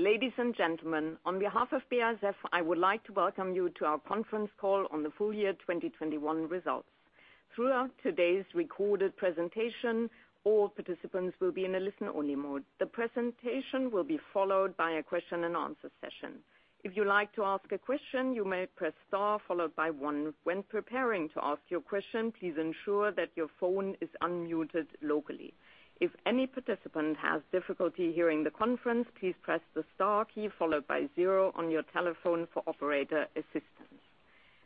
Ladies and gentlemen, on behalf of BASF, I would like to welcome you to our conference call on the full year 2021 results. Throughout today's recorded presentation, all participants will be in a listen-only mode. The presentation will be followed by a question-and-answer session. If you'd like to ask a question, you may press star followed by one. When preparing to ask your question, please ensure that your phone is unmuted locally. If any participant has difficulty hearing the conference, please press the star key followed by zero on your telephone for operator assistance.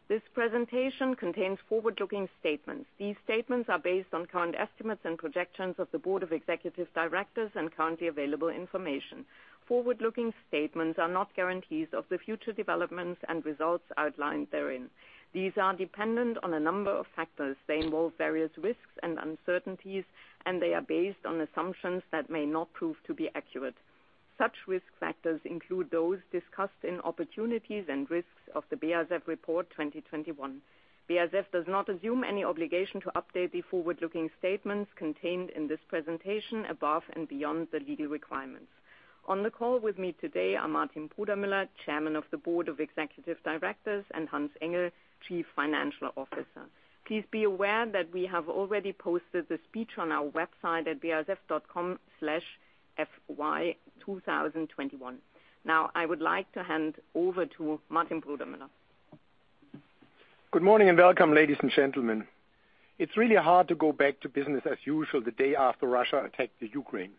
This presentation contains forward-looking statements. These statements are based on current estimates and projections of the Board of Executive Directors and currently available information. Forward-looking statements are not guarantees of the future developments and results outlined therein. These are dependent on a number of factors. They involve various risks and uncertainties, and they are based on assumptions that may not prove to be accurate. Such risk factors include those discussed in opportunities and risks of the BASF Report 2021. BASF does not assume any obligation to update the forward-looking statements contained in this presentation above and beyond the legal requirements. On the call with me today are Martin Brudermüller, Chairman of the Board of Executive Directors, and Hans-Ulrich Engel, Chief Financial Officer. Please be aware that we have already posted the speech on our website at basf.com/fy 2021. Now, I would like to hand over to Martin Brudermüller. Good morning and welcome, ladies and gentlemen. It's really hard to go back to business as usual the day after Russia attacked the Ukraine.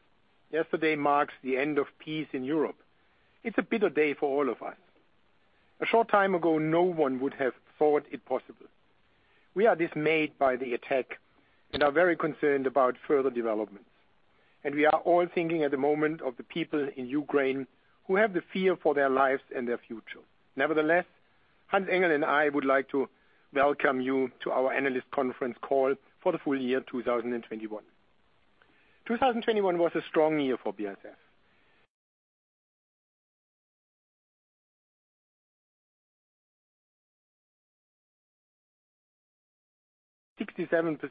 Yesterday marks the end of peace in Europe. It's a bitter day for all of us. A short time ago, no one would have thought it possible. We are dismayed by the attack and are very concerned about further developments. We are all thinking at the moment of the people in Ukraine who have the fear for their lives and their future. Nevertheless, Hans-Ulrich Engel and I would like to welcome you to our analyst conference call for the full year 2021. 2021 was a strong year for BASF. 67%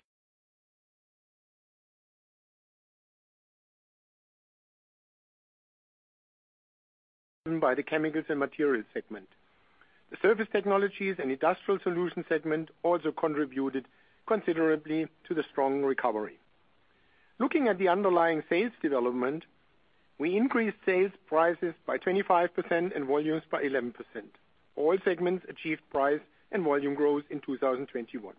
by the Chemicals and Materials segment. The Surface Technologies and Industrial Solutions segment also contributed considerably to the strong recovery. Looking at the underlying sales development, we increased sales prices by 25% and volumes by 11%. All segments achieved price and volume growth in 2021.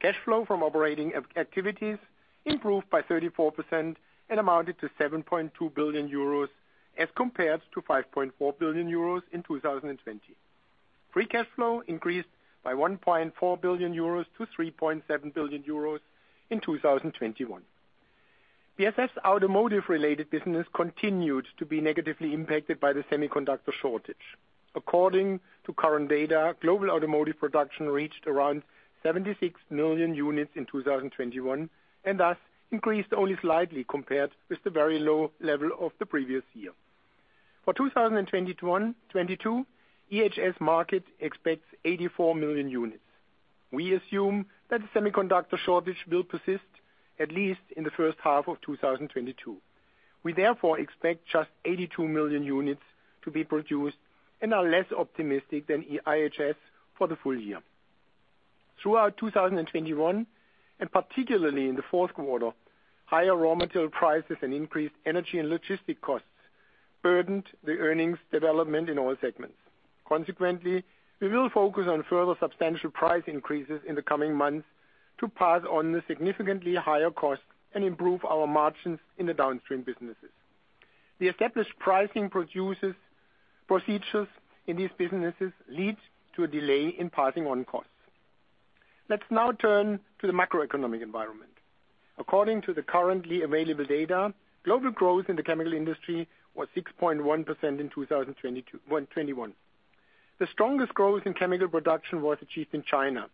Cash flow from operating activities improved by 34% and amounted to 7.2 billion euros as compared to 5.4 billion euros in 2020. Free cash flow increased by 1.4 billion euros to 3.7 billion euros in 2021. BASF's Automotive-related business continued to be negatively impacted by the semiconductor shortage. According to current data, global automotive production reached around 76 million units in 2021, and thus increased only slightly compared with the very low level of the previous year. For 2021-2022, IHS Markit expects 84 million units. We assume that the semiconductor shortage will persist at least in the first half of 2022. We therefore expect just 82 million units to be produced and are less optimistic than IHS for the full year. Throughout 2021, and particularly in the fourth quarter, higher raw material prices and increased energy and logistics costs burdened the earnings development in all segments. Consequently, we will focus on further substantial price increases in the coming months to pass on the significantly higher costs and improve our margins in the downstream businesses. The established pricing procedures in these businesses leads to a delay in passing on costs. Let's now turn to the macroeconomic environment. According to the currently available data, global growth in the chemical industry was 6.1% in 2021. The strongest growth in chemical production was achieved in China,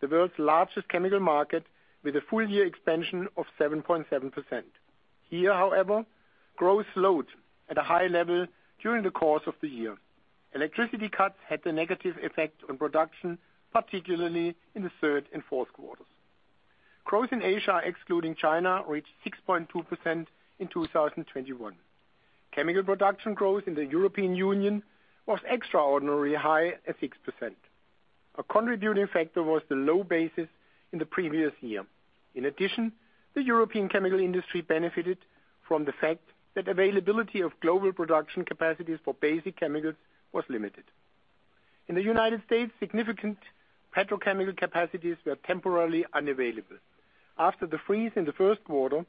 the world's largest chemical market, with a full-year expansion of 7.7%. Here, however, growth slowed at a high level during the course of the year. Electricity cuts had a negative effect on production, particularly in the third and fourth quarters. Growth in Asia, excluding China, reached 6.2% in 2021. Chemical production growth in the European Union was extraordinarily high at 6%. A contributing factor was the low basis in the previous year. In addition, the European chemical industry benefited from the fact that availability of global production capacities for basic chemicals was limited. In the United States, significant petrochemical capacities were temporarily unavailable. After the freeze in the first quarter,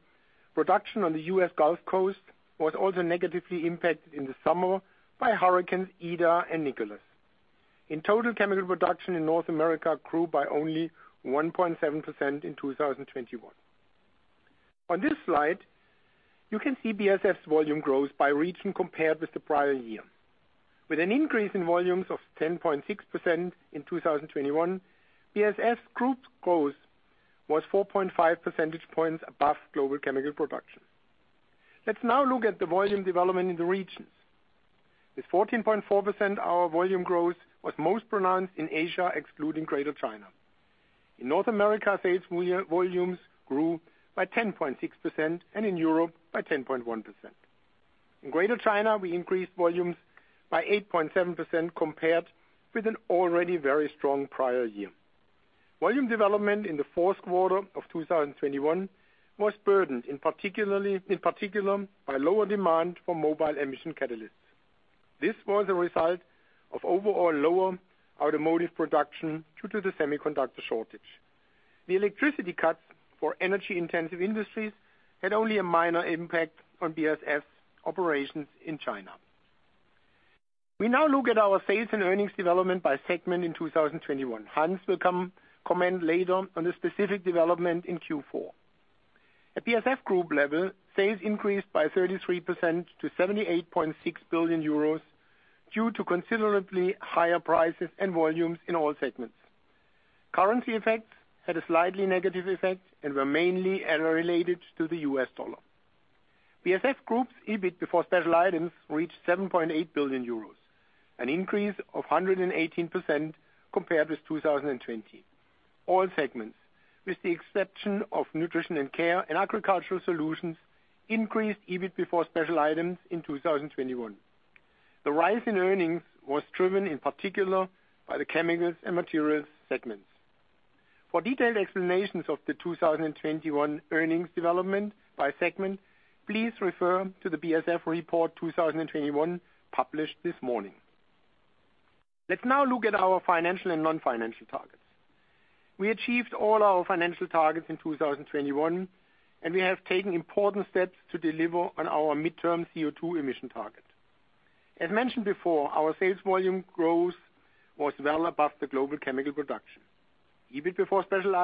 production on the U.S. Gulf Coast was also negatively impacted in the summer by Hurricane Ida and Hurricane Nicholas. In total, chemical production in North America grew by only 1.7% in 2021. On this slide, you can see BASF's volume growth by region compared with the prior year. With an increase in volumes of 10.6% in 2021, BASF Group's growth was 4.5 percentage points above global chemical production. Let's now look at the volume development in the regions. With 14.4%, our volume growth was most pronounced in Asia, excluding Greater China. In North America, sales volumes grew by 10.6%, and in Europe by 10.1%. In Greater China, we increased volumes by 8.7% compared with an already very strong prior year. Volume development in the fourth quarter of 2021 was burdened, in particular by lower demand for mobile emission catalysts. This was a result of overall lower automotive production due to the semiconductor shortage. The electricity cuts for energy-intensive industries had only a minor impact on BASF operations in China. We now look at our sales and earnings development by segment in 2021. Hans will come, comment later on the specific development in Q4. At BASF Group level, sales increased by 33% to 78.6 billion euros due to considerably higher prices and volumes in all segments. Currency effects had a slightly negative effect and were mainly euro related to the US dollar. BASF Group's EBIT before special items reached 7.8 billion euros, an increase of 118% compared with 2020. All segments, with the exception of Nutrition & Care and Agricultural Solutions, increased EBIT before special items in 2021. The rise in earnings was driven, in particular, by the Chemicals and Materials segments. For detailed explanations of the 2021 earnings development by segment, please refer to the BASF Report 2021 published this morning. Let's now look at our financial and non-financial targets. We achieved all our financial targets in 2021, and we have taken important steps to deliver on our midterm CO2 emission target. As mentioned before, our sales volume growth was well above the global chemical production. EBITDA before special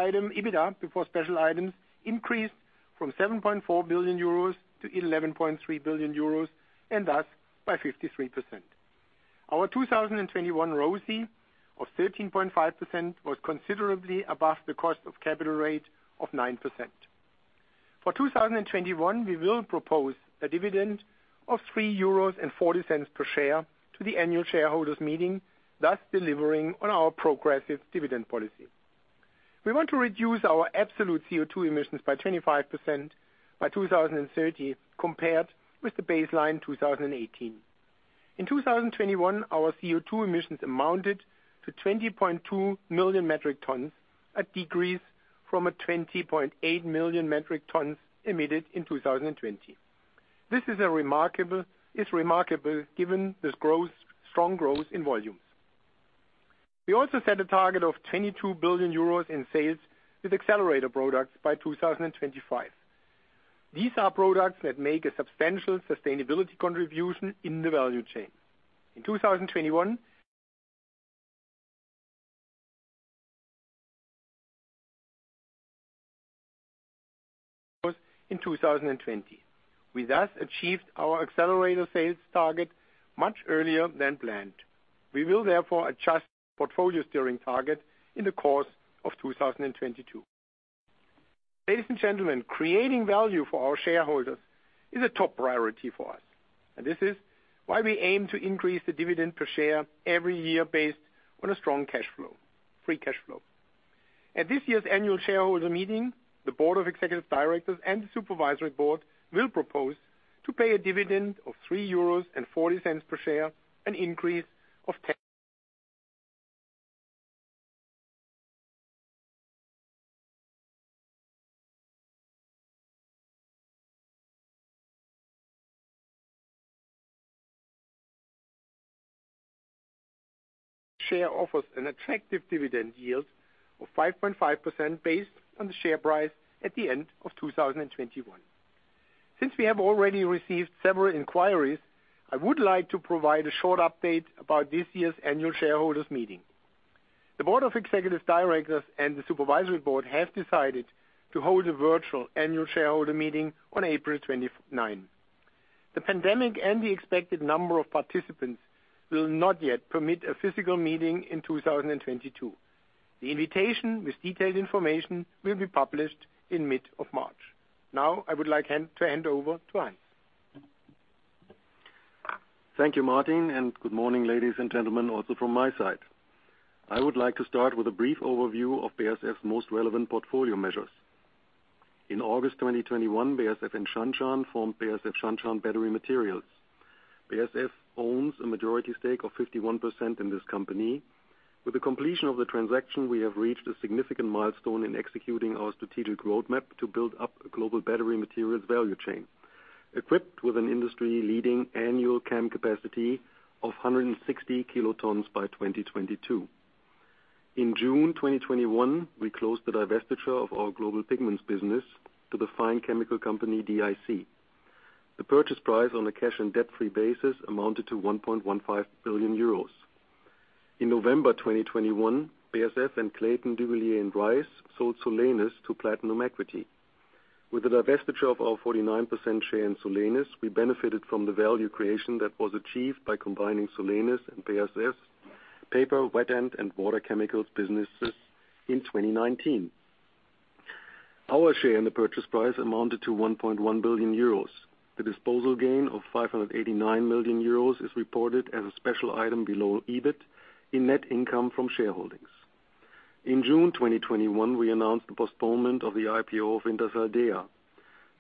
items increased from 7.4 billion euros to 11.3 billion euros, and thus by 53%. Our 2021 ROCE of 13.5% was considerably above the cost of capital rate of 9%. For 2021, we will propose a dividend of 3.40 euros per share to the annual shareholders meeting, thus delivering on our progressive dividend policy. We want to reduce our absolute CO2 emissions by 25% by 2030 compared with the baseline 2018. In 2021, our CO2 emissions amounted to 20.2 million metric tons, a decrease from 20.8 million metric tons emitted in 2020. This is remarkable given this growth, strong growth in volumes. We also set a target of 22 billion euros in sales with accelerator products by 2025. These are products that make a substantial sustainability contribution in the value chain. In 2021, in 2020. We thus achieved our accelerator sales target much earlier than planned. We will therefore adjust portfolio steering target in the course of 2022. Ladies and gentlemen, creating value for our shareholders is a top priority for us, and this is why we aim to increase the dividend per share every year based on a strong cash flow, free cash flow. At this year's annual shareholder meeting, the Board of Executive Directors and the Supervisory Board will propose to pay a dividend of 3.40 euros per share, an increase of 10%. The share offers an attractive dividend yield of 5.5% based on the share price at the end of 2021. Since we have already received several inquiries, I would like to provide a short update about this year's annual shareholders meeting. The Board of Executive Directors and the Supervisory Board have decided to hold a virtual annual shareholder meeting on April 29. The pandemic and the expected number of participants will not yet permit a physical meeting in 2022. The invitation with detailed information will be published in mid-March. Now I would like to hand over to Hans. Thank you, Martin, and good morning, ladies and gentlemen, also from my side. I would like to start with a brief overview of BASF's most relevant portfolio measures. In August 2021, BASF and Shanshan formed BASF Shanshan Battery Materials. BASF owns a majority stake of 51% in this company. With the completion of the transaction, we have reached a significant milestone in executing our strategic roadmap to build up a global battery materials value chain, equipped with an industry-leading annual CAM capacity of 160 kilotons by 2022. In June 2021, we closed the divestiture of our global pigments business to the fine chemical company DIC. The purchase price on a cash and debt-free basis amounted to 1.15 billion euros. In November 2021, BASF and Clayton, Dubilier & Rice sold Solenis to Platinum Equity. With the divestiture of our 49% share in Solenis, we benefited from the value creation that was achieved by combining Solenis and BASF's Paper, Wet End, and Water Chemicals businesses in 2019. Our share in the purchase price amounted to 1.1 billion euros. The disposal gain of 589 million euros is reported as a special item below EBIT in net income from shareholdings. In June 2021, we announced the postponement of the IPO of Wintershall Dea.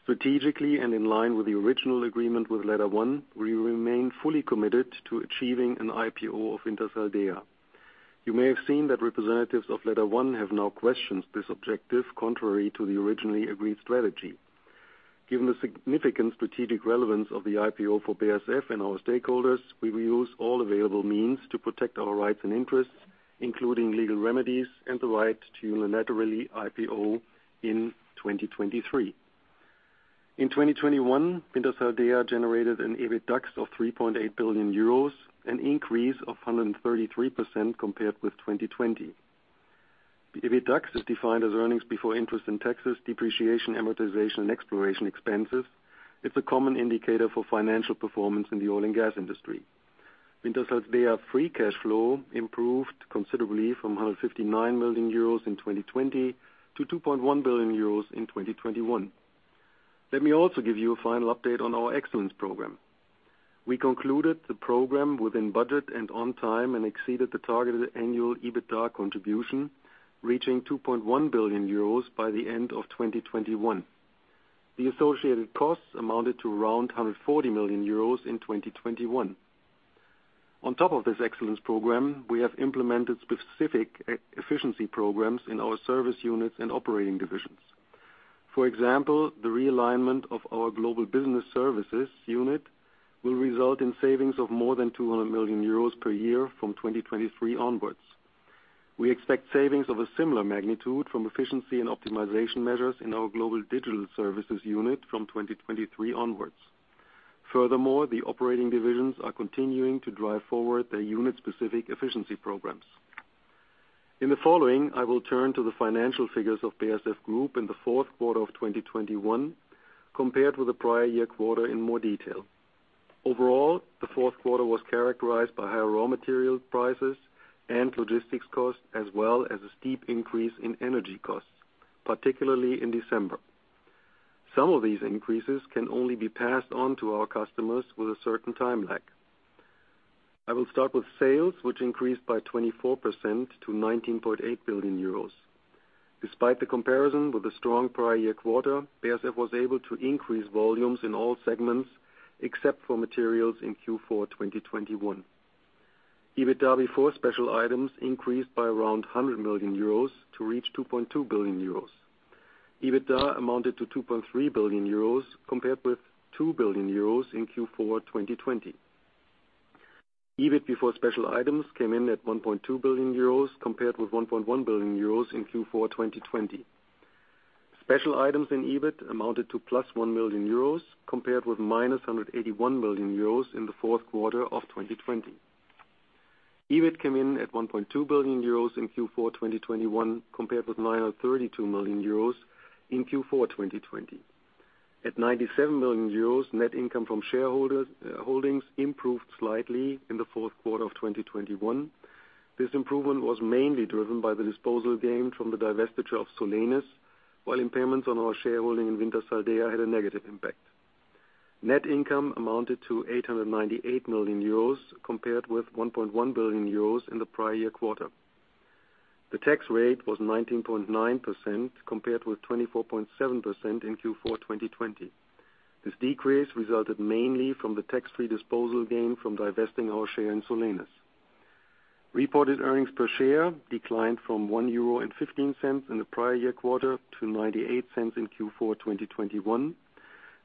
Strategically and in line with the original agreement with LetterOne, we remain fully committed to achieving an IPO of Wintershall Dea. You may have seen that representatives of LetterOne have now questioned this objective, contrary to the originally agreed strategy. Given the significant strategic relevance of the IPO for BASF and our stakeholders, we will use all available means to protect our rights and interests, including legal remedies and the right to unilaterally IPO in 2023. In 2021, Wintershall Dea generated an EBITDA of 3.8 billion euros, an increase of 133% compared with 2020. The EBITDA is defined as earnings before interest in taxes, depreciation, amortization, and exploration expenses. It's a common indicator for financial performance in the oil and gas industry. Wintershall Dea free cash flow improved considerably from 159 million euros in 2020 to 2.1 billion euros in 2021. Let me also give you a final update on our excellence program. We concluded the program within budget and on time, and exceeded the targeted annual EBITDA contribution, reaching 2.1 billion euros by the end of 2021. The associated costs amounted to around 140 million euros in 2021. On top of this excellence program, we have implemented specific efficiency programs in our service units and operating divisions. For example, the realignment of our Global Business Services unit will result in savings of more than 200 million euros per year from 2023 onwards. We expect savings of a similar magnitude from efficiency and optimization measures in our Global Digital Services unit from 2023 onwards. Furthermore, the operating divisions are continuing to drive forward their unit-specific efficiency programs. In the following, I will turn to the financial figures of BASF Group in the fourth quarter of 2021, compared with the prior year quarter in more detail. Overall, the fourth quarter was characterized by higher raw material prices and logistics costs, as well as a steep increase in energy costs, particularly in December. Some of these increases can only be passed on to our customers with a certain time lag. I will start with sales, which increased by 24% to 19.8 billion euros. Despite the comparison with the strong prior year quarter, BASF was able to increase volumes in all segments, except for Materials in Q4 2021. EBITDA before special items increased by around 100 million euros to reach 2.2 billion euros. EBITDA amounted to 2.3 billion euros compared with 2 billion euros in Q4 2020. EBIT before special items came in at 1.2 billion euros compared with 1.1 billion euros in Q4 2020. Special items in EBIT amounted to +1 million euros compared with -181 million euros in the fourth quarter of 2020. EBIT came in at 1.2 billion euros in Q4 2021, compared with 932 million euros in Q4 2020. At 97 million euros, net income from shareholder holdings improved slightly in the fourth quarter of 2021. This improvement was mainly driven by the disposal gain from the divestiture of Solenis, while impairments on our shareholding in Wintershall Dea had a negative impact. Net income amounted to 898 million euros compared with 1.1 billion euros in the prior year quarter. The tax rate was 19.9% compared with 24.7% in Q4 2020. This decrease resulted mainly from the tax-free disposal gain from divesting our share in Solenis. Reported earnings per share declined from 1.15 euro in the prior year quarter to 0.98 in Q4 2021.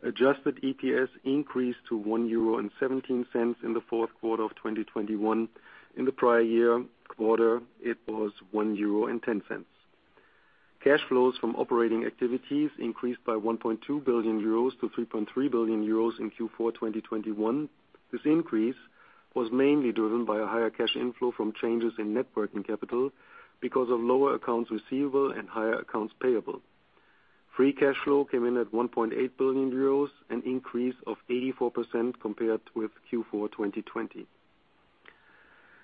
Adjusted EPS increased to 1.17 euro in the fourth quarter of 2021. In the prior year quarter, it was 1.10 euro. Cash flows from operating activities increased by 1.2 billion euros to 3.3 billion euros in Q4 2021. This increase was mainly driven by a higher cash inflow from changes in net working capital because of lower accounts receivable and higher accounts payable. Free cash flow came in at 1.8 billion euros, an increase of 84% compared with Q4 2020.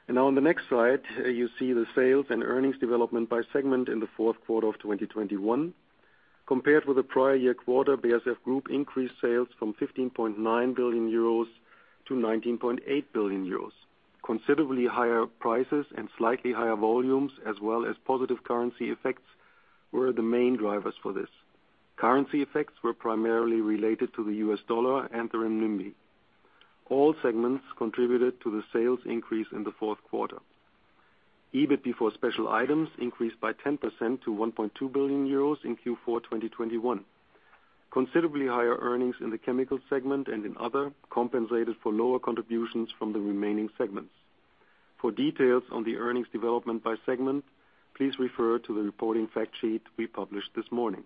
Now on the next slide, you see the sales and earnings development by segment in the fourth quarter of 2021. Compared with the prior year quarter, BASF Group increased sales from 15.9 billion euros to 19.8 billion euros. Considerably higher prices and slightly higher volumes, as well as positive currency effects were the main drivers for this. Currency effects were primarily related to the US dollar and the renminbi. All segments contributed to the sales increase in the fourth quarter. EBIT before special items increased by 10% to 1.2 billion euros in Q4 2021. Considerably higher earnings in the Chemicals segment and in others compensated for lower contributions from the remaining segments. For details on the earnings development by segment, please refer to the reporting fact sheet we published this morning.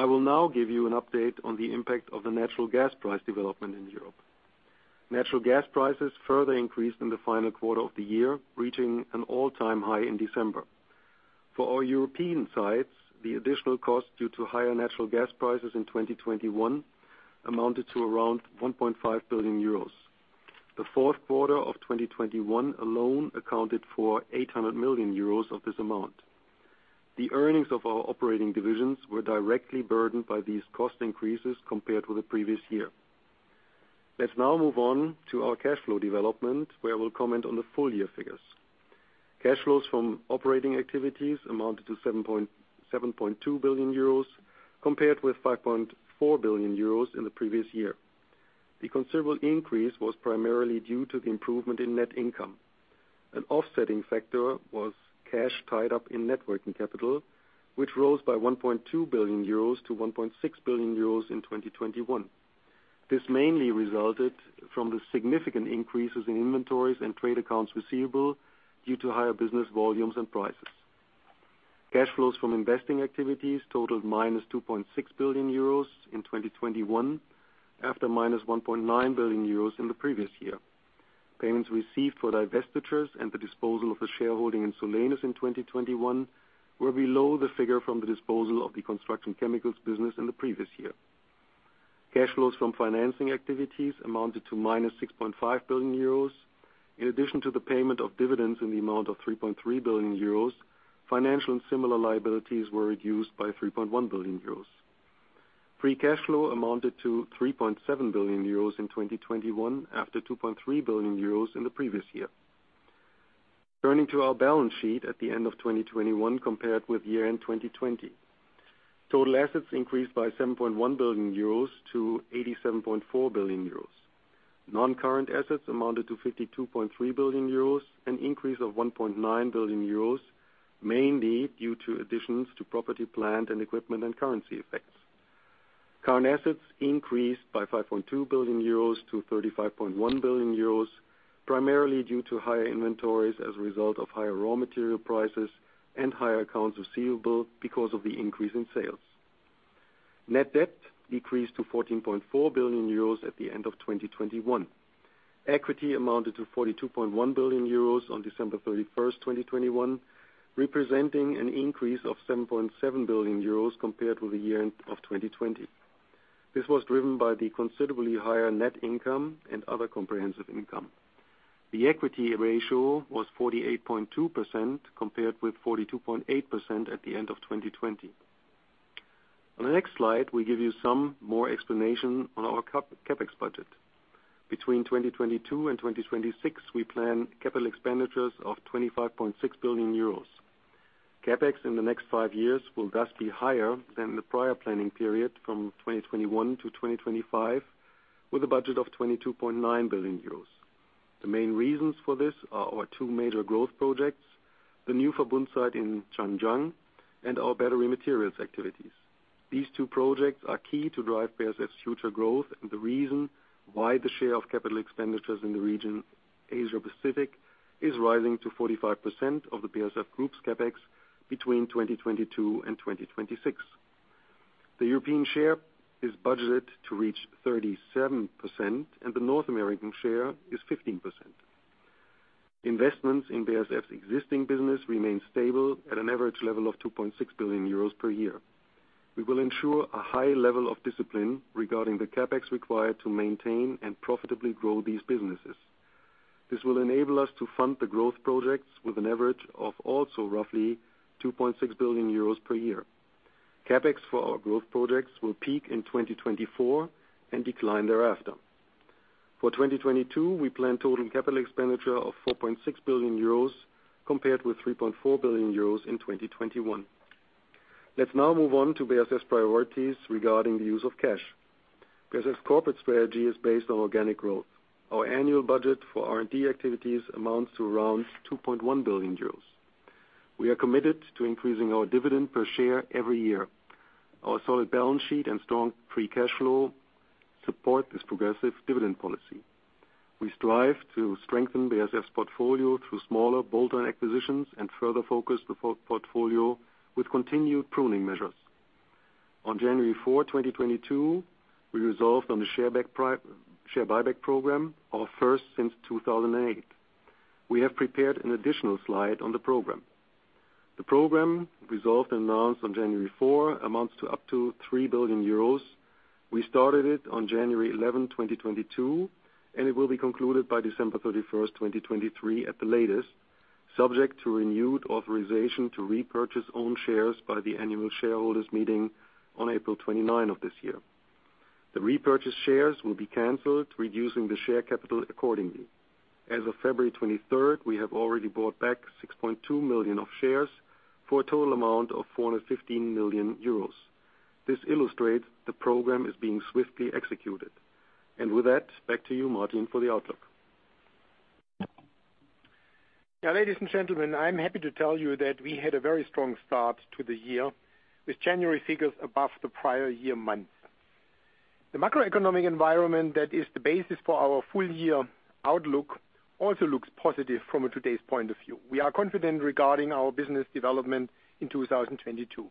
I will now give you an update on the impact of the natural gas price development in Europe. Natural gas prices further increased in the final quarter of the year, reaching an all-time high in December. For our European sites, the additional cost due to higher natural gas prices in 2021 amounted to around 1.5 billion euros. The fourth quarter of 2021 alone accounted for 800 million euros of this amount. The earnings of our operating divisions were directly burdened by these cost increases compared with the previous year. Let's now move on to our cash flow development, where we'll comment on the full year figures. Cash flows from operating activities amounted to 7.2 billion euros, compared with 5.4 billion euros in the previous year. The considerable increase was primarily due to the improvement in net income. An offsetting factor was cash tied up in net working capital, which rose by 1.2 billion euros to 1.6 billion euros in 2021. This mainly resulted from the significant increases in inventories and trade accounts receivable due to higher business volumes and prices. Cash flows from investing activities totaled -2.6 billion euros in 2021, after -1.9 billion euros in the previous year. Payments received for divestitures and the disposal of the shareholding in Solenis in 2021 were below the figure from the disposal of the construction chemicals business in the previous year. Cash flows from financing activities amounted to -6.5 billion euros. In addition to the payment of dividends in the amount of 3.3 billion euros, financial and similar liabilities were reduced by 3.1 billion euros. Free cash flow amounted to 3.7 billion euros in 2021 after 2.3 billion euros in the previous year. Turning to our balance sheet at the end of 2021 compared with year-end 2020. Total assets increased by 7.1 billion euros to 87.4 billion euros. Non-current assets amounted to 52.3 billion euros, an increase of 1.9 billion euros, mainly due to additions to property, plant, and equipment and currency effects. Current assets increased by 5.2 billion euros to 35.1 billion euros, primarily due to higher inventories as a result of higher raw material prices and higher accounts receivable because of the increase in sales. Net debt decreased to 14.4 billion euros at the end of 2021. Equity amounted to 42.1 billion euros on December 31st, 2021, representing an increase of 7.7 billion euros compared with the year-end of 2020. This was driven by the considerably higher net income and other comprehensive income. The equity ratio was 48.2%, compared with 42.8% at the end of 2020. On the next slide, we give you some more explanation on our CapEx budget. Between 2022 and 2026, we plan capital expenditures of 25.6 billion euros. CapEx in the next five years will thus be higher than the prior planning period from 2021 to 2025, with a budget of 22.9 billion euros. The main reasons for this are our two major growth projects, the new Verbund site in Zhanjiang and our battery materials activities. These two projects are key to drive BASF's future growth and the reason why the share of capital expenditures in the region Asia Pacific is rising to 45% of the BASF Group's CapEx between 2022 and 2026. The European share is budgeted to reach 37%, and the North American share is 15%. Investments in BASF's existing business remain stable at an average level of 2.6 billion euros per year. We will ensure a high level of discipline regarding the CapEx required to maintain and profitably grow these businesses. This will enable us to fund the growth projects with an average of also roughly 2.6 billion euros per year. CapEx for our growth projects will peak in 2024 and decline thereafter. For 2022, we plan total capital expenditure of 4.6 billion euros compared with 3.4 billion euros in 2021. Let's now move on to BASF's priorities regarding the use of cash. BASF's corporate strategy is based on organic growth. Our annual budget for R&D activities amounts to around 2.1 billion euros. We are committed to increasing our dividend per share every year. Our solid balance sheet and strong free cash flow support this progressive dividend policy. We strive to strengthen BASF's portfolio through smaller bolt-on acquisitions and further focus the portfolio with continued pruning measures. On January 4, 2022, we resolved on the share buyback program, our first since 2008. We have prepared an additional slide on the program. The program resolved and announced on January 4 amounts to up to 3 billion euros. We started it on January 11, 2022, and it will be concluded by December 31st, 2023 at the latest, subject to renewed authorization to repurchase own shares by the annual shareholders meeting on April 29 of this year. The repurchased shares will be canceled, reducing the share capital accordingly. As of February 23rd, we have already bought back 6.2 million shares for a total amount of 415 million euros. This illustrates the program is being swiftly executed. With that, back to you, Martin, for the outlook. Yeah, ladies and gentlemen, I'm happy to tell you that we had a very strong start to the year, with January figures above the prior year month. The macroeconomic environment that is the basis for our full year outlook also looks positive from today's point of view. We are confident regarding our business development in 2022.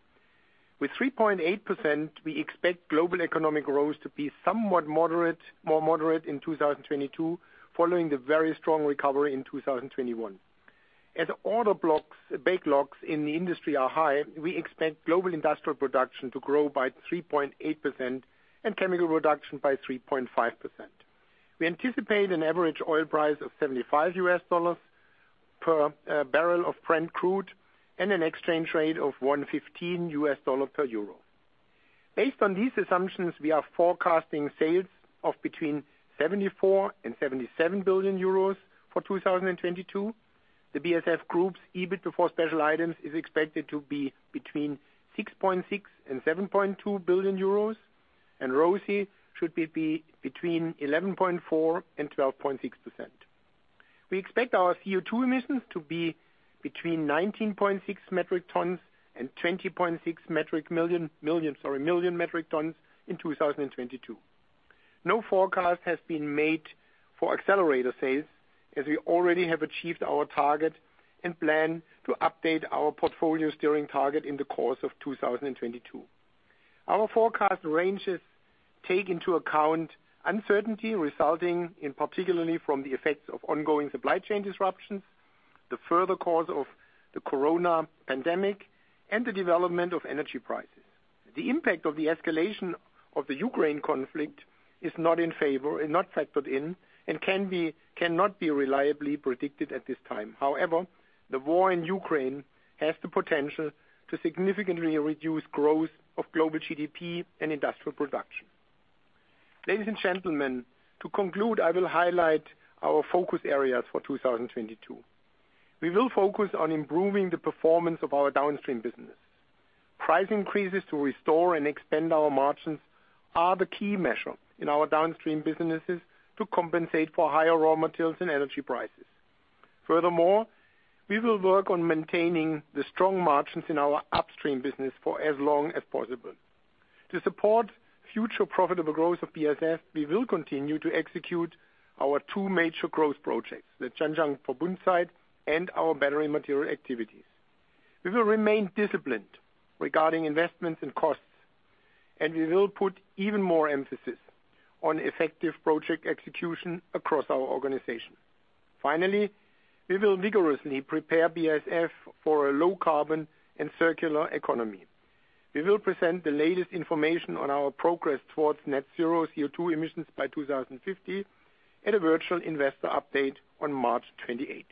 With 3.8%, we expect global economic growth to be somewhat moderate, more moderate in 2022, following the very strong recovery in 2021. As order books, backlogs in the industry are high, we expect global industrial production to grow by 3.8% and chemical production by 3.5%. We anticipate an average oil price of $75 per barrel of Brent crude and an exchange rate of $1.15 US dollars per Euro. Based on these assumptions, we are forecasting sales of between 74 billion and 77 billion euros for 2022. The BASF Group's EBIT before special items is expected to be between 6.6 billion and 7.2 billion euros, and ROCE should be between 11.4% and 12.6%. We expect our CO2 emissions to be between 19.6 million metric tons and 20.6 million metric tons in 2022. No forecast has been made for accelerator sales as we already have achieved our target and plan to update our portfolio steering target in the course of 2022. Our forecast ranges take into account uncertainty resulting particularly from the effects of ongoing supply chain disruptions, the further course of the corona pandemic, and the development of energy prices. The impact of the escalation of the Ukraine conflict is not factored in and cannot be reliably predicted at this time. However, the war in Ukraine has the potential to significantly reduce growth of global GDP and industrial production. Ladies and gentlemen, to conclude, I will highlight our focus areas for 2022. We will focus on improving the performance of our downstream business. Price increases to restore and expand our margins are the key measure in our downstream businesses to compensate for higher raw materials and energy prices. Furthermore, we will work on maintaining the strong margins in our upstream business for as long as possible. To support future profitable growth of BASF, we will continue to execute our two major growth projects, the Zhanjiang Verbund site and our battery material activities. We will remain disciplined regarding investments and costs, and we will put even more emphasis on effective project execution across our organization. Finally, we will vigorously prepare BASF for a low carbon and circular economy. We will present the latest information on our progress towards net-zero CO2 emissions by 2050 at a virtual investor update on March 28.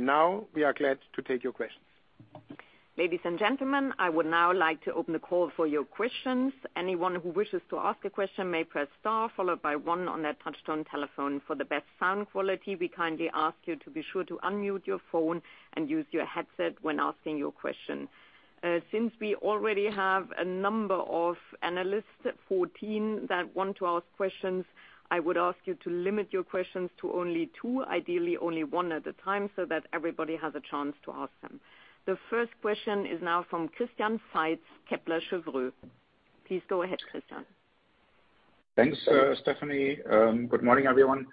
Now we are glad to take your questions. Ladies and gentlemen, I would now like to open the call for your questions. Anyone who wishes to ask a question may press star followed by one on their touch-tone telephone. For the best sound quality, we kindly ask you to be sure to unmute your phone and use your headset when asking your question. Since we already have a number of analysts, 14, that want to ask questions, I would ask you to limit your questions to only two, ideally only one at a time, so that everybody has a chance to ask them. The first question is now from Christian Faitz, Kepler Cheuvreux. Please go ahead, Christian. Thanks, Stephanie. Good morning, everyone.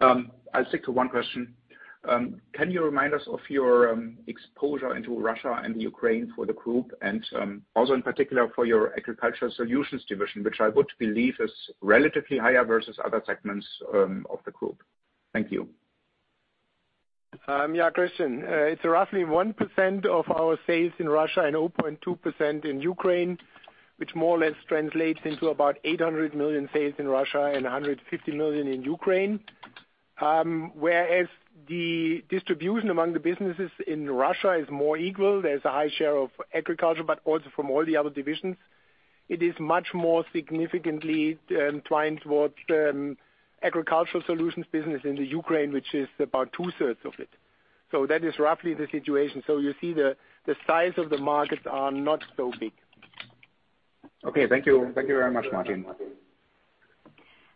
I'll stick to one question. Can you remind us of your exposure into Russia and the Ukraine for the group and also in particular for your Agricultural Solutions division, which I would believe is relatively higher versus other segments of the group? Thank you. Yeah, Christian, it's roughly 1% of our sales in Russia and 0.2% in Ukraine, which more or less translates into about 800 million sales in Russia and 150 million in Ukraine. Whereas the distribution among the businesses in Russia is more equal, there's a high share of agriculture, but also from all the other divisions, it is much more significantly inclined towards Agricultural Solutions business in the Ukraine, which is about two-thirds of it. That is roughly the situation. You see the size of the markets are not so big. Okay, thank you. Thank you very much, Martin.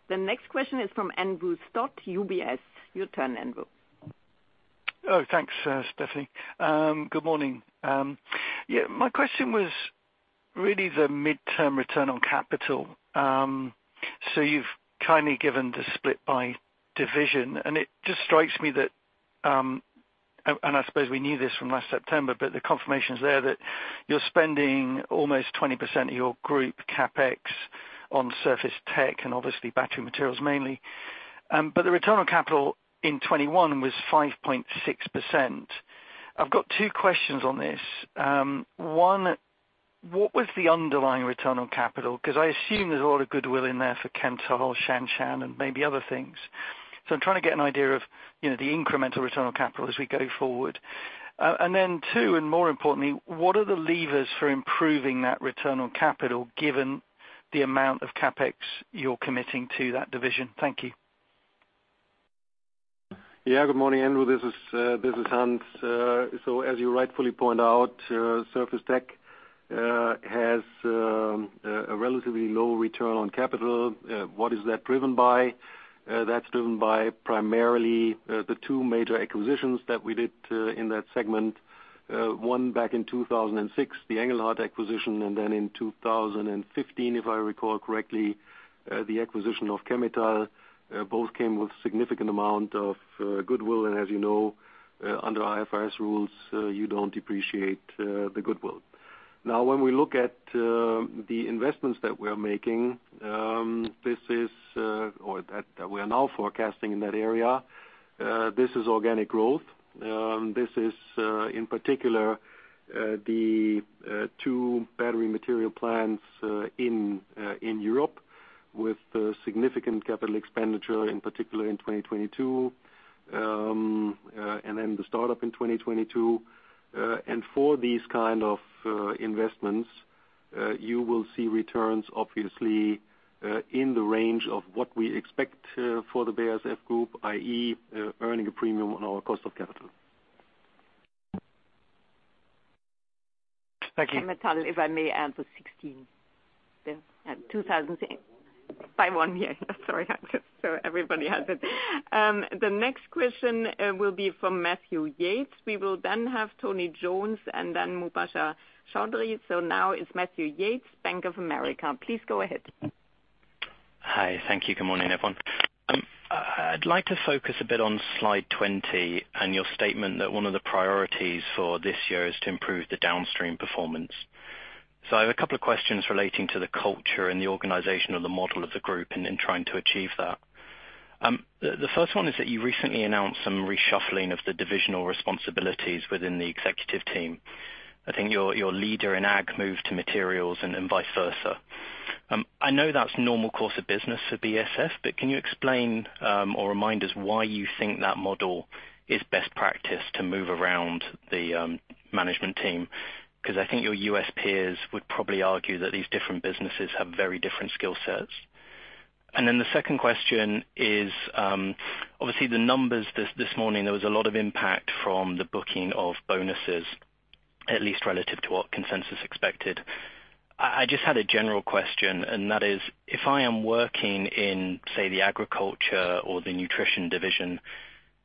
The next question is from Andrew Stott, UBS. Your turn, Andrew. Oh, thanks, Stephanie. Good morning. Yeah, my question was really the midterm return on capital. You've kindly given the split by division, and it just strikes me that, and I suppose we knew this from last September, but the confirmation is there that you're spending almost 20% of your group CapEx on Surface Technologies and obviously battery materials mainly. The return on capital in 2021 was 5.6%. I've got two questions on this. One, what was the underlying return on capital? Because I assume there's a lot of goodwill in there for Chemetall, Shanshan, and maybe other things. I'm trying to get an idea of, you know, the incremental return on capital as we go forward. More importantly, what are the levers for improving that return on capital given the amount of CapEx you're committing to that division? Thank you. Yeah. Good morning, Andrew. This is Hans. As you rightfully point out, Surface Technologies has a relatively low return on capital. What is that driven by? That's driven by primarily the two major acquisitions that we did in that segment. One back in 2006, the Engelhard acquisition, and then in 2015, if I recall correctly, the acquisition of Chemetall, both came with significant amount of goodwill. As you know, under IFRS rules, you don't depreciate the goodwill. Now, when we look at the investments that we are making or that we are now forecasting in that area, this is organic growth. This is, in particular, the two battery material plants in Europe with a significant capital expenditure, in particular in 2022. Then the startup in 2022. For these kind of investments, you will see returns obviously in the range of what we expect for the BASF Group, i.e., earning a premium on our cost of capital. Thank you. Metal, if I may add the 16. Yeah. 2006. Press one, yeah. Sorry. Everybody has it. The next question will be from Matthew Yates. We will then have Tony Jones, and then Mubasher Chaudhry. Now it's Matthew Yates, Bank of America. Please go ahead. Hi. Thank you. Good morning, everyone. I'd like to focus a bit on slide 20 and your statement that one of the priorities for this year is to improve the downstream performance. I have a couple of questions relating to the culture and the organization of the model of the group in trying to achieve that. The first one is that you recently announced some reshuffling of the divisional responsibilities within the executive team. I think your leader in ag moved to materials and vice versa. I know that's normal course of business for BASF, but can you explain or remind us why you think that model is best practice to move around the management team? 'Cause I think your U.S. peers would probably argue that these different businesses have very different skill sets. The second question is, obviously the numbers this morning, there was a lot of impact from the booking of bonuses, at least relative to what consensus expected. I just had a general question, and that is if I am working in, say, the agriculture or the nutrition division,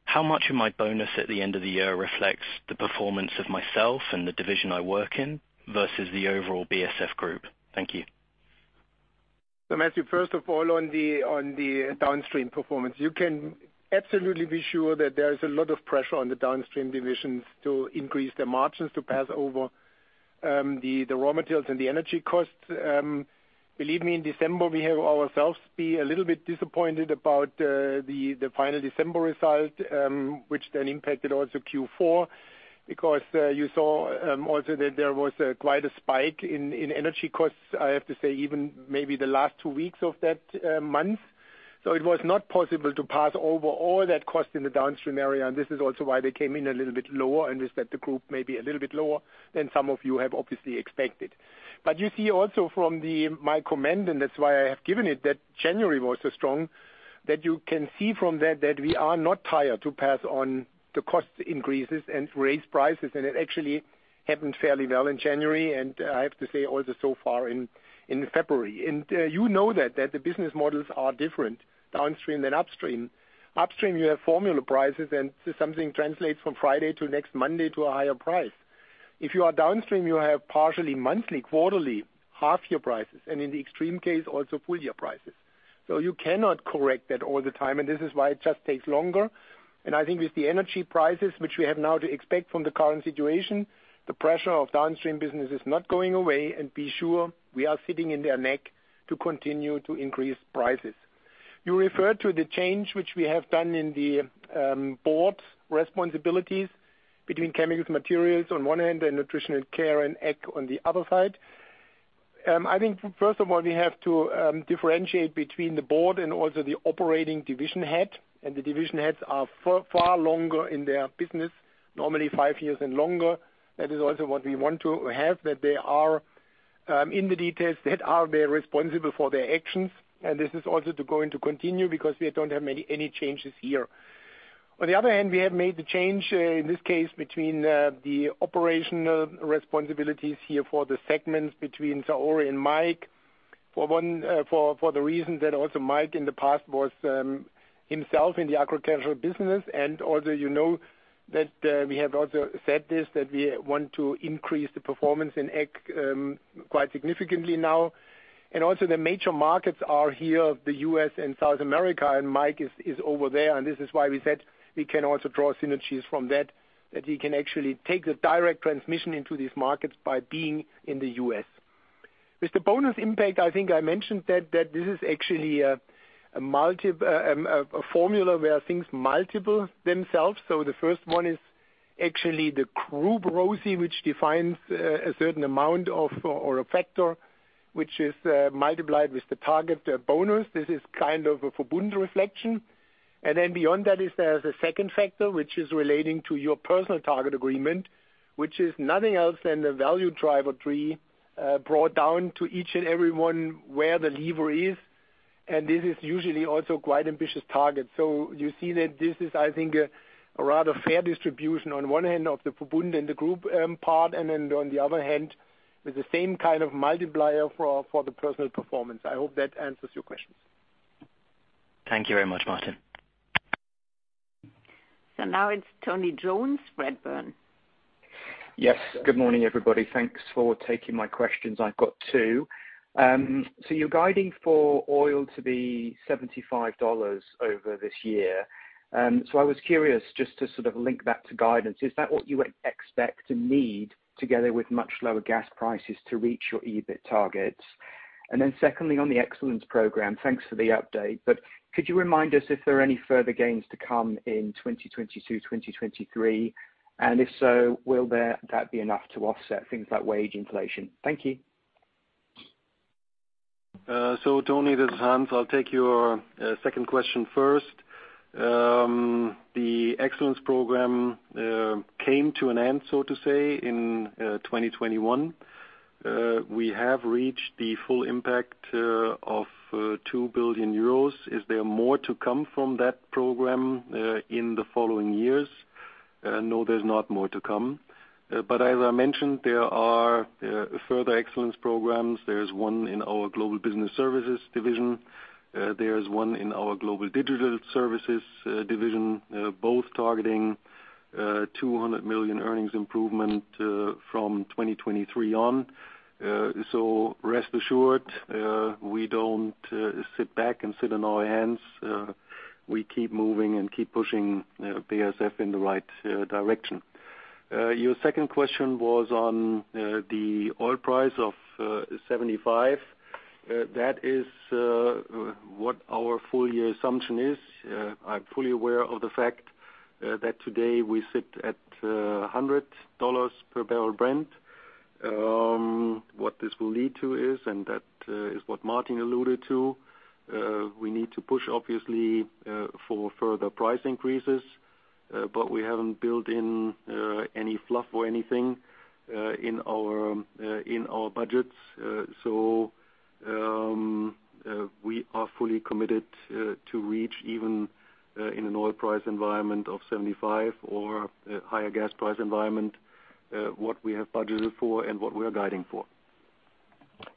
how much of my bonus at the end of the year reflects the performance of myself and the division I work in versus the overall BASF group? Thank you. Matthew, first of all, on the downstream performance, you can absolutely be sure that there is a lot of pressure on the downstream divisions to increase their margins to pass over the raw materials and the energy costs. Believe me, in December, we have ourselves be a little bit disappointed about the final December result, which then impacted also Q4 because you saw also that there was quite a spike in energy costs, I have to say, even maybe the last two weeks of that month. It was not possible to pass over all that cost in the downstream area, and this is also why they came in a little bit lower, and we said the group may be a little bit lower than some of you have obviously expected. You see also from my comment, and that's why I have given it, that January was so strong, that you can see from that we are not tired to pass on the cost increases and raise prices, and it actually happened fairly well in January, and I have to say also so far in February. You know that the business models are different downstream than upstream. Upstream, you have formula prices, and so something translates from Friday to next Monday to a higher price. If you are downstream, you have partially monthly, quarterly, half year prices, and in the extreme case, also full year prices. You cannot correct that all the time, and this is why it just takes longer. I think with the energy prices, which we have now to expect from the current situation, the pressure on downstream business is not going away, and be sure we are sitting on their necks to continue to increase prices. You referred to the change which we have done in the Board responsibilities between Chemicals, Materials on one hand and Nutrition & Care and ag on the other side. I think first of all, we have to differentiate between the Board and also the operating division head, and the division heads are far, far longer in their business, normally five years and longer. That is also what we want to have, that they are in the details, that are very responsible for their actions. This is also going to continue because we don't have many, any changes here. On the other hand, we have made the change in this case between the operational responsibilities here for the segments between Saori and Mike. For one, for the reason that also Mike in the past was himself in the agricultural business and also you know that we have also said this, that we want to increase the performance in ag quite significantly now. Also the major markets are here, the U.S. and South America, and Mike is over there. This is why we said we can also draw synergies from that he can actually take the direct transmission into these markets by being in the U.S. With the bonus impact, I think I mentioned that this is actually a formula where things multiply themselves. The first one is actually the group ROCE, which defines a certain amount or a factor which is multiplied with the target bonus. This is kind of a Verbund reflection. Then beyond that there's a second factor which is relating to your personal target agreement, which is nothing else than the value driver tree brought down to each and every one where the lever is. This is usually also quite ambitious target. You see that this is, I think, a rather fair distribution on one hand of the Verbund and the group part, and then on the other hand, with the same kind of multiplier for the personal performance. I hope that answers your question. Thank you very much, Martin. Now it's Tony Jones, Redburn. Yes. Good morning, everybody. Thanks for taking my questions. I've got two. You're guiding for oil to be $75 over this year. I was curious just to sort of link that to guidance. Is that what you would expect to need together with much lower gas prices to reach your EBIT targets? Secondly, on the excellence program, thanks for the update, but could you remind us if there are any further gains to come in 2022, 2023? If so, will that be enough to offset things like wage inflation? Thank you. Tony, this is Hans. I'll take your second question first. The excellence program came to an end, so to say, in 2021. We have reached the full impact of 2 billion euros. Is there more to come from that program in the following years? No, there's not more to come. As I mentioned, there are further excellence programs. There's one in our Global Business Services division. There's one in our Global Digital Services division, both targeting 200 million earnings improvement from 2023 on. Rest assured, we don't sit back and sit on our hands. We keep moving and keep pushing BASF in the right direction. Your second question was on the oil price of $75. That is what our full year assumption is. I'm fully aware of the fact that today we sit at $100 per barrel Brent. What this will lead to is what Martin alluded to. We need to push obviously for further price increases. We haven't built in any fluff or anything in our budgets. We are fully committed to reach, even in an oil price environment of $75 or a higher gas price environment, what we have budgeted for and what we are guiding for.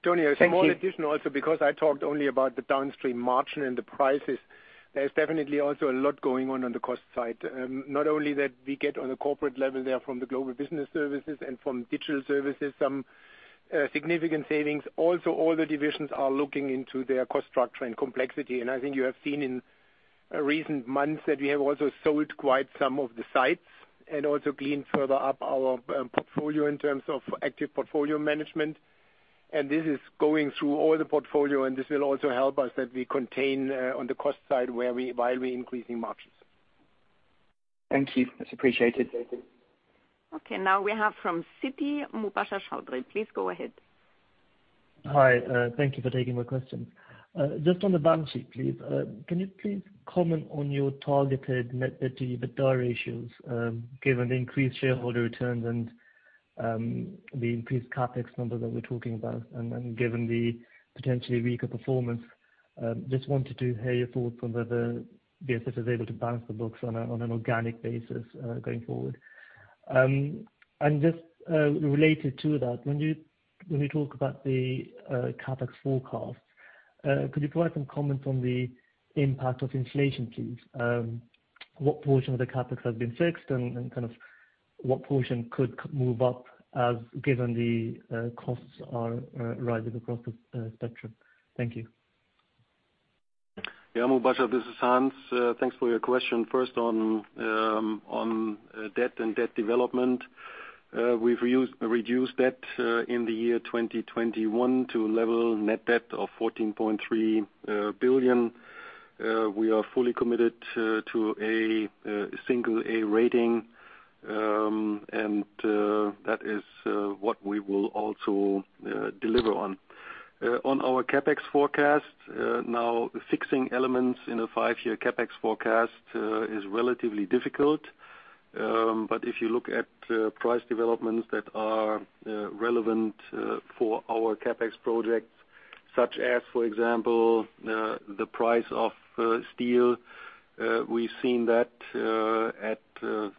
Thank you. A small addition also, because I talked only about the downstream margin and the prices. There's definitely also a lot going on in the cost side. Not only that we get on a corporate level there from the Global Business Services and from Global Digital Services, some significant savings. Also, all the divisions are looking into their cost structure and complexity. I think you have seen in recent months that we have also sold quite some of the sites and also cleaned up further our portfolio in terms of active portfolio management. This is going through all the portfolio, and this will also help us to contain on the cost side while we increase margins. Thank you. That's appreciated. Okay, now we have from Citi, Mubasher Chaudhry. Please go ahead. Hi, thank you for taking my question. Just on the balance sheet, please, can you please comment on your targeted net debt to EBITDA ratios, given the increased shareholder returns and the increased CapEx numbers that we're talking about? Given the potentially weaker performance, just wanted to hear your thoughts on whether BASF is able to balance the books on an organic basis, going forward. Just related to that, when you talk about the CapEx forecast, could you provide some comment on the impact of inflation, please? What portion of the CapEx has been fixed and kind of what portion could move up as given the costs are rising across the spectrum? Thank you. Yeah, Mubasher, this is Hans. Thanks for your question. First on debt development, we've reduced debt in the year 2021 to a level of net debt of 14.3 billion. We are fully committed to a single A rating, and that is what we will also deliver on. On our CapEx forecast, now fixing elements in a five-year CapEx forecast is relatively difficult. If you look at price developments that are relevant for our CapEx projects, such as, for example, the price of steel, we've seen that at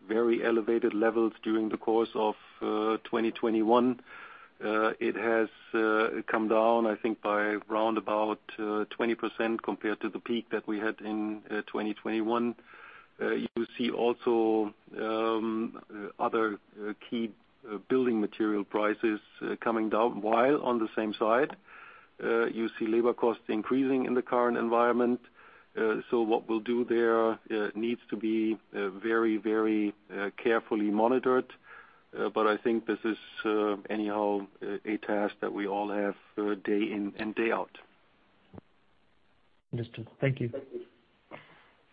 very elevated levels during the course of 2021. It has come down, I think by roundabout 20% compared to the peak that we had in 2021. You see also other key building material prices coming down, while on the same side you see labor costs increasing in the current environment. What we'll do there needs to be very carefully monitored. I think this is anyhow a task that we all have day in and day out. Understood. Thank you.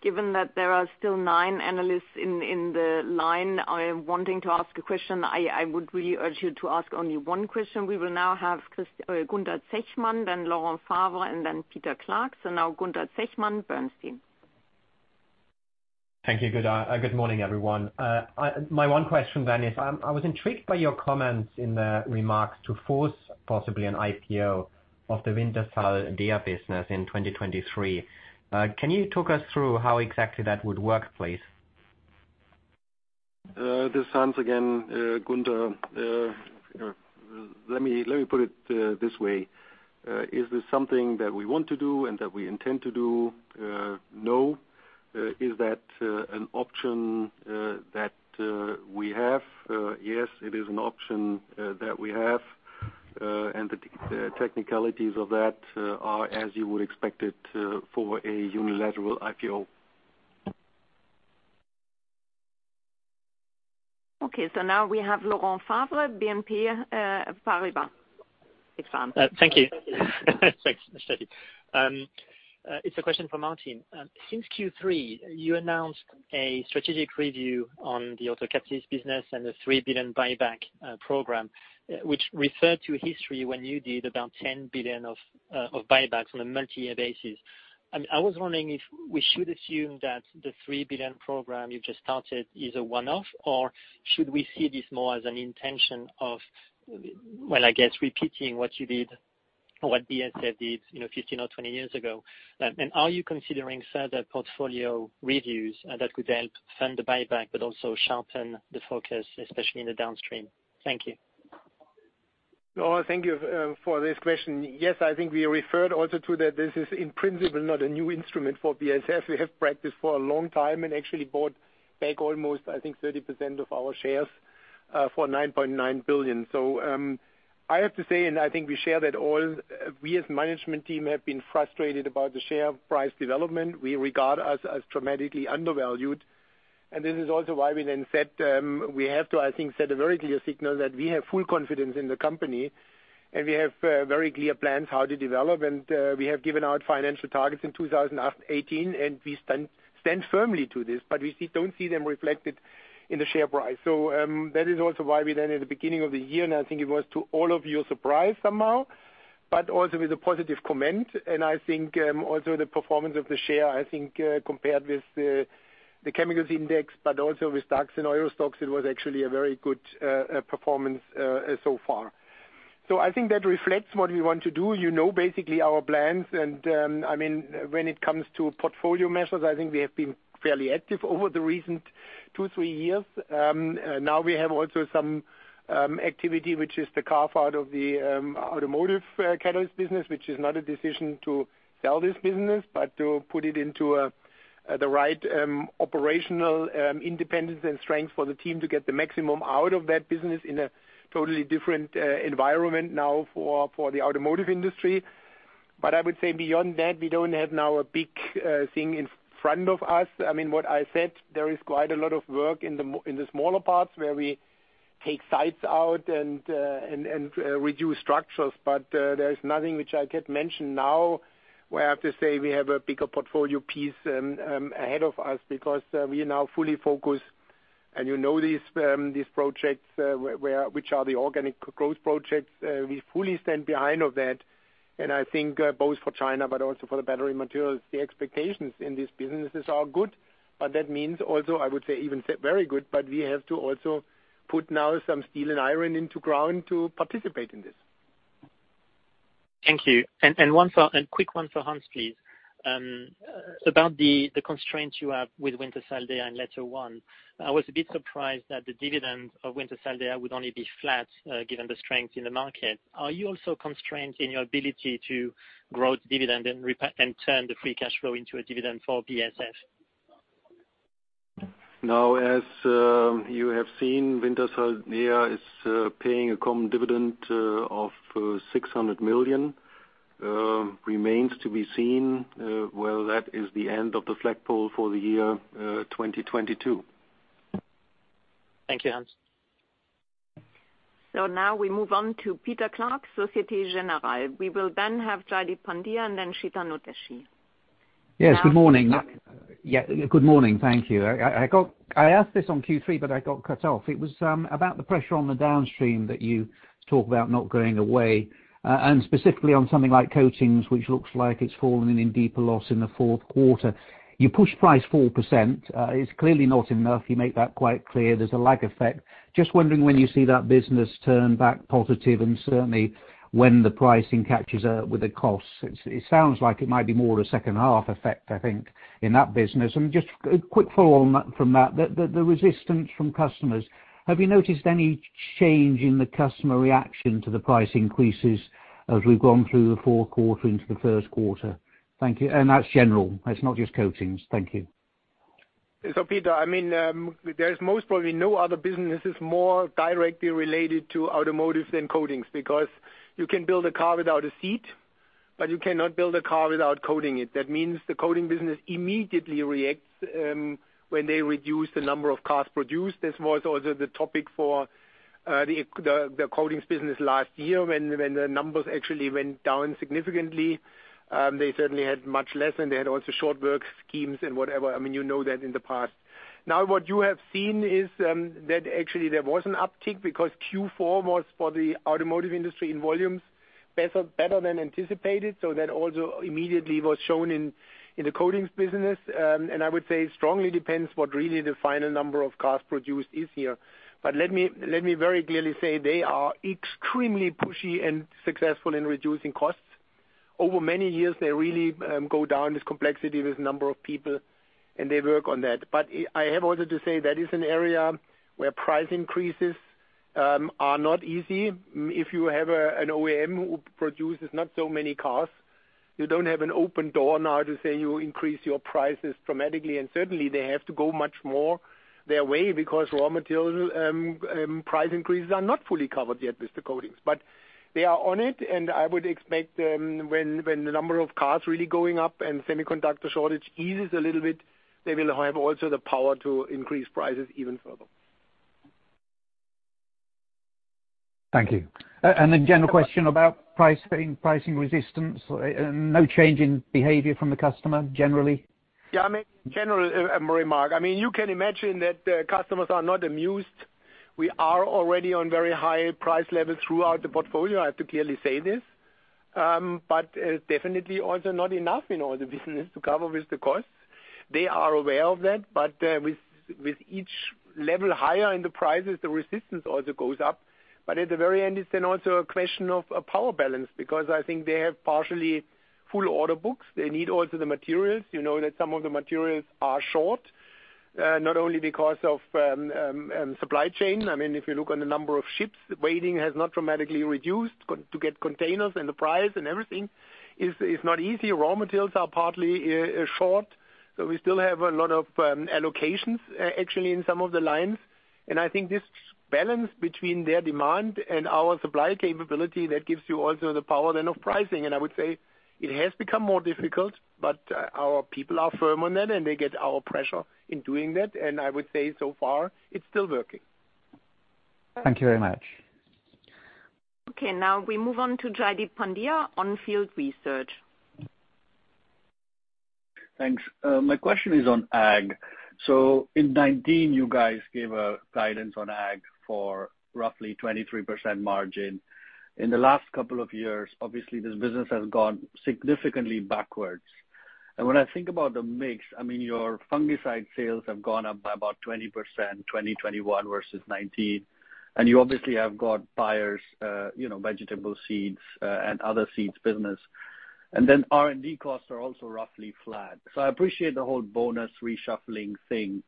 Given that there are still nine analysts in the line wanting to ask a question, I would really urge you to ask only one question. We will now have Chris, Gunther Zechmann, then Laurent Favre, and then Peter Clark. Now Gunther Zechmann, Bernstein. Thank you. Good morning, everyone. My one question is, I was intrigued by your comments in the remarks to force possibly an IPO of the Wintershall Dea business in 2023. Can you talk us through how exactly that would work, please? This is Hans again, Gunther. Let me put it this way. Is this something that we want to do and that we intend to do? No. Is that an option that we have? Yes, it is an option that we have, and the technicalities of that are as you would expect it for a unilateral IPO. Okay. Now we have Laurent Favre, BNP Paribas. It's Favre. Thank you. Thanks, Stephanie. It's a question for Martin. Since Q3, you announced a strategic review on the automotive catalysts business and the 3 billion buyback program, which referred to history when you did about 10 billion of buybacks on a multi-year basis. I was wondering if we should assume that the 3 billion program you've just started is a one-off, or should we see this more as an intention of, well, I guess, repeating what you did or what BASF did, you know, 15 or 20 years ago? Are you considering further portfolio reviews that could help fund the buyback but also sharpen the focus, especially in the downstream? Thank you. Thank you for this question. Yes, I think we referred also to that this is in principle, not a new instrument for BASF. We have practiced for a long time and actually bought back almost, I think, 30% of our shares for 9.9 billion. I have to say, and I think we share that all, we as management team have been frustrated about the share price development. We regard us as dramatically undervalued, and this is also why we set a very clear signal that we have full confidence in the company, and we have very clear plans how to develop. We have given out financial targets in 2018, and we stand firmly to this, but we don't see them reflected in the share price. That is also why we then, at the beginning of the year, and I think it was to all of you a surprise somehow, but also with a positive comment, and I think also the performance of the share, I think, compared with the chemicals index but also with stocks and oil stocks, it was actually a very good performance so far. I think that reflects what we want to do. You know basically our plans and, I mean, when it comes to portfolio measures, I think we have been fairly active over the recent two, three years. Now we have also some activity which is the carve-out of the automotive catalyst business, which is not a decision to sell this business, but to put it into the right operational independence and strength for the team to get the maximum out of that business in a totally different environment now for the automotive industry. I would say beyond that, we don't have now a big thing in front of us. I mean, what I said, there is quite a lot of work in the smaller parts, where we take sites out and reduce structures. There is nothing which I could mention now, where I have to say we have a bigger portfolio piece ahead of us because we are now fully focused. You know these projects, which are the organic growth projects. We fully stand behind that, and I think both for China but also for the battery materials, the expectations in these businesses are good. That means also, I would say even very good, but we have to also put now some steel and iron into ground to participate in this. Thank you. A quick one for Hans, please. About the constraints you have with Wintershall Dea and LetterOne, I was a bit surprised that the dividend of Wintershall Dea would only be flat, given the strength in the market. Are you also constrained in your ability to grow the dividend and turn the free cash flow into a dividend for BASF? Now, as you have seen, Wintershall Dea is paying a common dividend of 600 million. It remains to be seen whether that is the end of the flagpole for the year 2022. Thank you, Hans. Now we move on to Peter Clark, Société Générale. We will then have Jaideep Pandya and then Chetan Udeshi. Yes. Good morning. Now, Peter Clark. Yeah. Good morning. Thank you. I asked this on Q3, but I got cut off. It was about the pressure on the downstream that you talk about not going away. And specifically on something like coatings, which looks like it's fallen into deeper loss in the fourth quarter. You pushed price 4%. It's clearly not enough. You made that quite clear. There's a lag effect. Just wondering when you see that business turn back positive and certainly when the pricing catches up with the costs. It sounds like it might be more a second half effect, I think, in that business. Just a quick follow on that, the resistance from customers. Have you noticed any change in the customer reaction to the price increases as we've gone through the fourth quarter into the first quarter? Thank you. That's general. It's not just coatings. Thank you. Peter, I mean, there's most probably no other businesses more directly related to automotive than coatings because you can build a car without a seat, but you cannot build a car without coating it. That means the coating business immediately reacts when they reduce the number of cars produced. That was also the topic for the coatings business last year when the numbers actually went down significantly. They certainly had much less, and they had also short work schemes and whatever. I mean, you know that in the past. Now what you have seen is that actually there was an uptick because Q4 was for the automotive industry in volumes better than anticipated, so that also immediately was shown in the coatings business. I would say it strongly depends what really the final number of cars produced is here. Let me very clearly say they are extremely pushy and successful in reducing costs. Over many years, they really go down this complexity with number of people, and they work on that. I have also to say that is an area where price increases are not easy. If you have an OEM who produces not so many cars, you don't have an open door now to say you increase your prices dramatically. Certainly they have to go much more their way because raw material price increases are not fully covered yet with the coatings. They are on it, and I would expect, when the number of cars really going up and semiconductor shortage eases a little bit, they will have also the power to increase prices even further. Thank you. A general question about price passing, pricing resistance. No change in behavior from the customer generally? Yeah, I mean, general remark. I mean, you can imagine that customers are not amused. We are already on very high price levels throughout the portfolio, I have to clearly say this. Definitely also not enough in all the business to cover with the costs. They are aware of that, but with each level higher in the prices, the resistance also goes up. At the very end, it's then also a question of a power balance because I think they have partially full order books. They need also the materials. You know that some of the materials are short, not only because of supply chain. I mean, if you look at the number of ships waiting, it has not dramatically reduced congestion to get containers, and the price, and everything is not easy. Raw materials are partly short, so we still have a lot of allocations, actually in some of the lines. I think this balance between their demand and our supply capability, that gives you also the power then of pricing. I would say it has become more difficult, but our people are firm on that and they get our pressure in doing that. I would say so far it's still working. Thank you very much. Okay, now we move on to Jaideep Pandya On Field Investment Research. Thanks. My question is on ag. In 2019, you guys gave a guidance on ag for roughly 23% margin. In the last couple of years, obviously this business has gone significantly backwards. When I think about the mix, I mean, your fungicide sales have gone up by about 20%, 2021 versus 2019. You obviously have got Nunhems, you know, vegetable seeds, and other seeds business. Then R&D costs are also roughly flat. I appreciate the whole bonus reshuffling thing,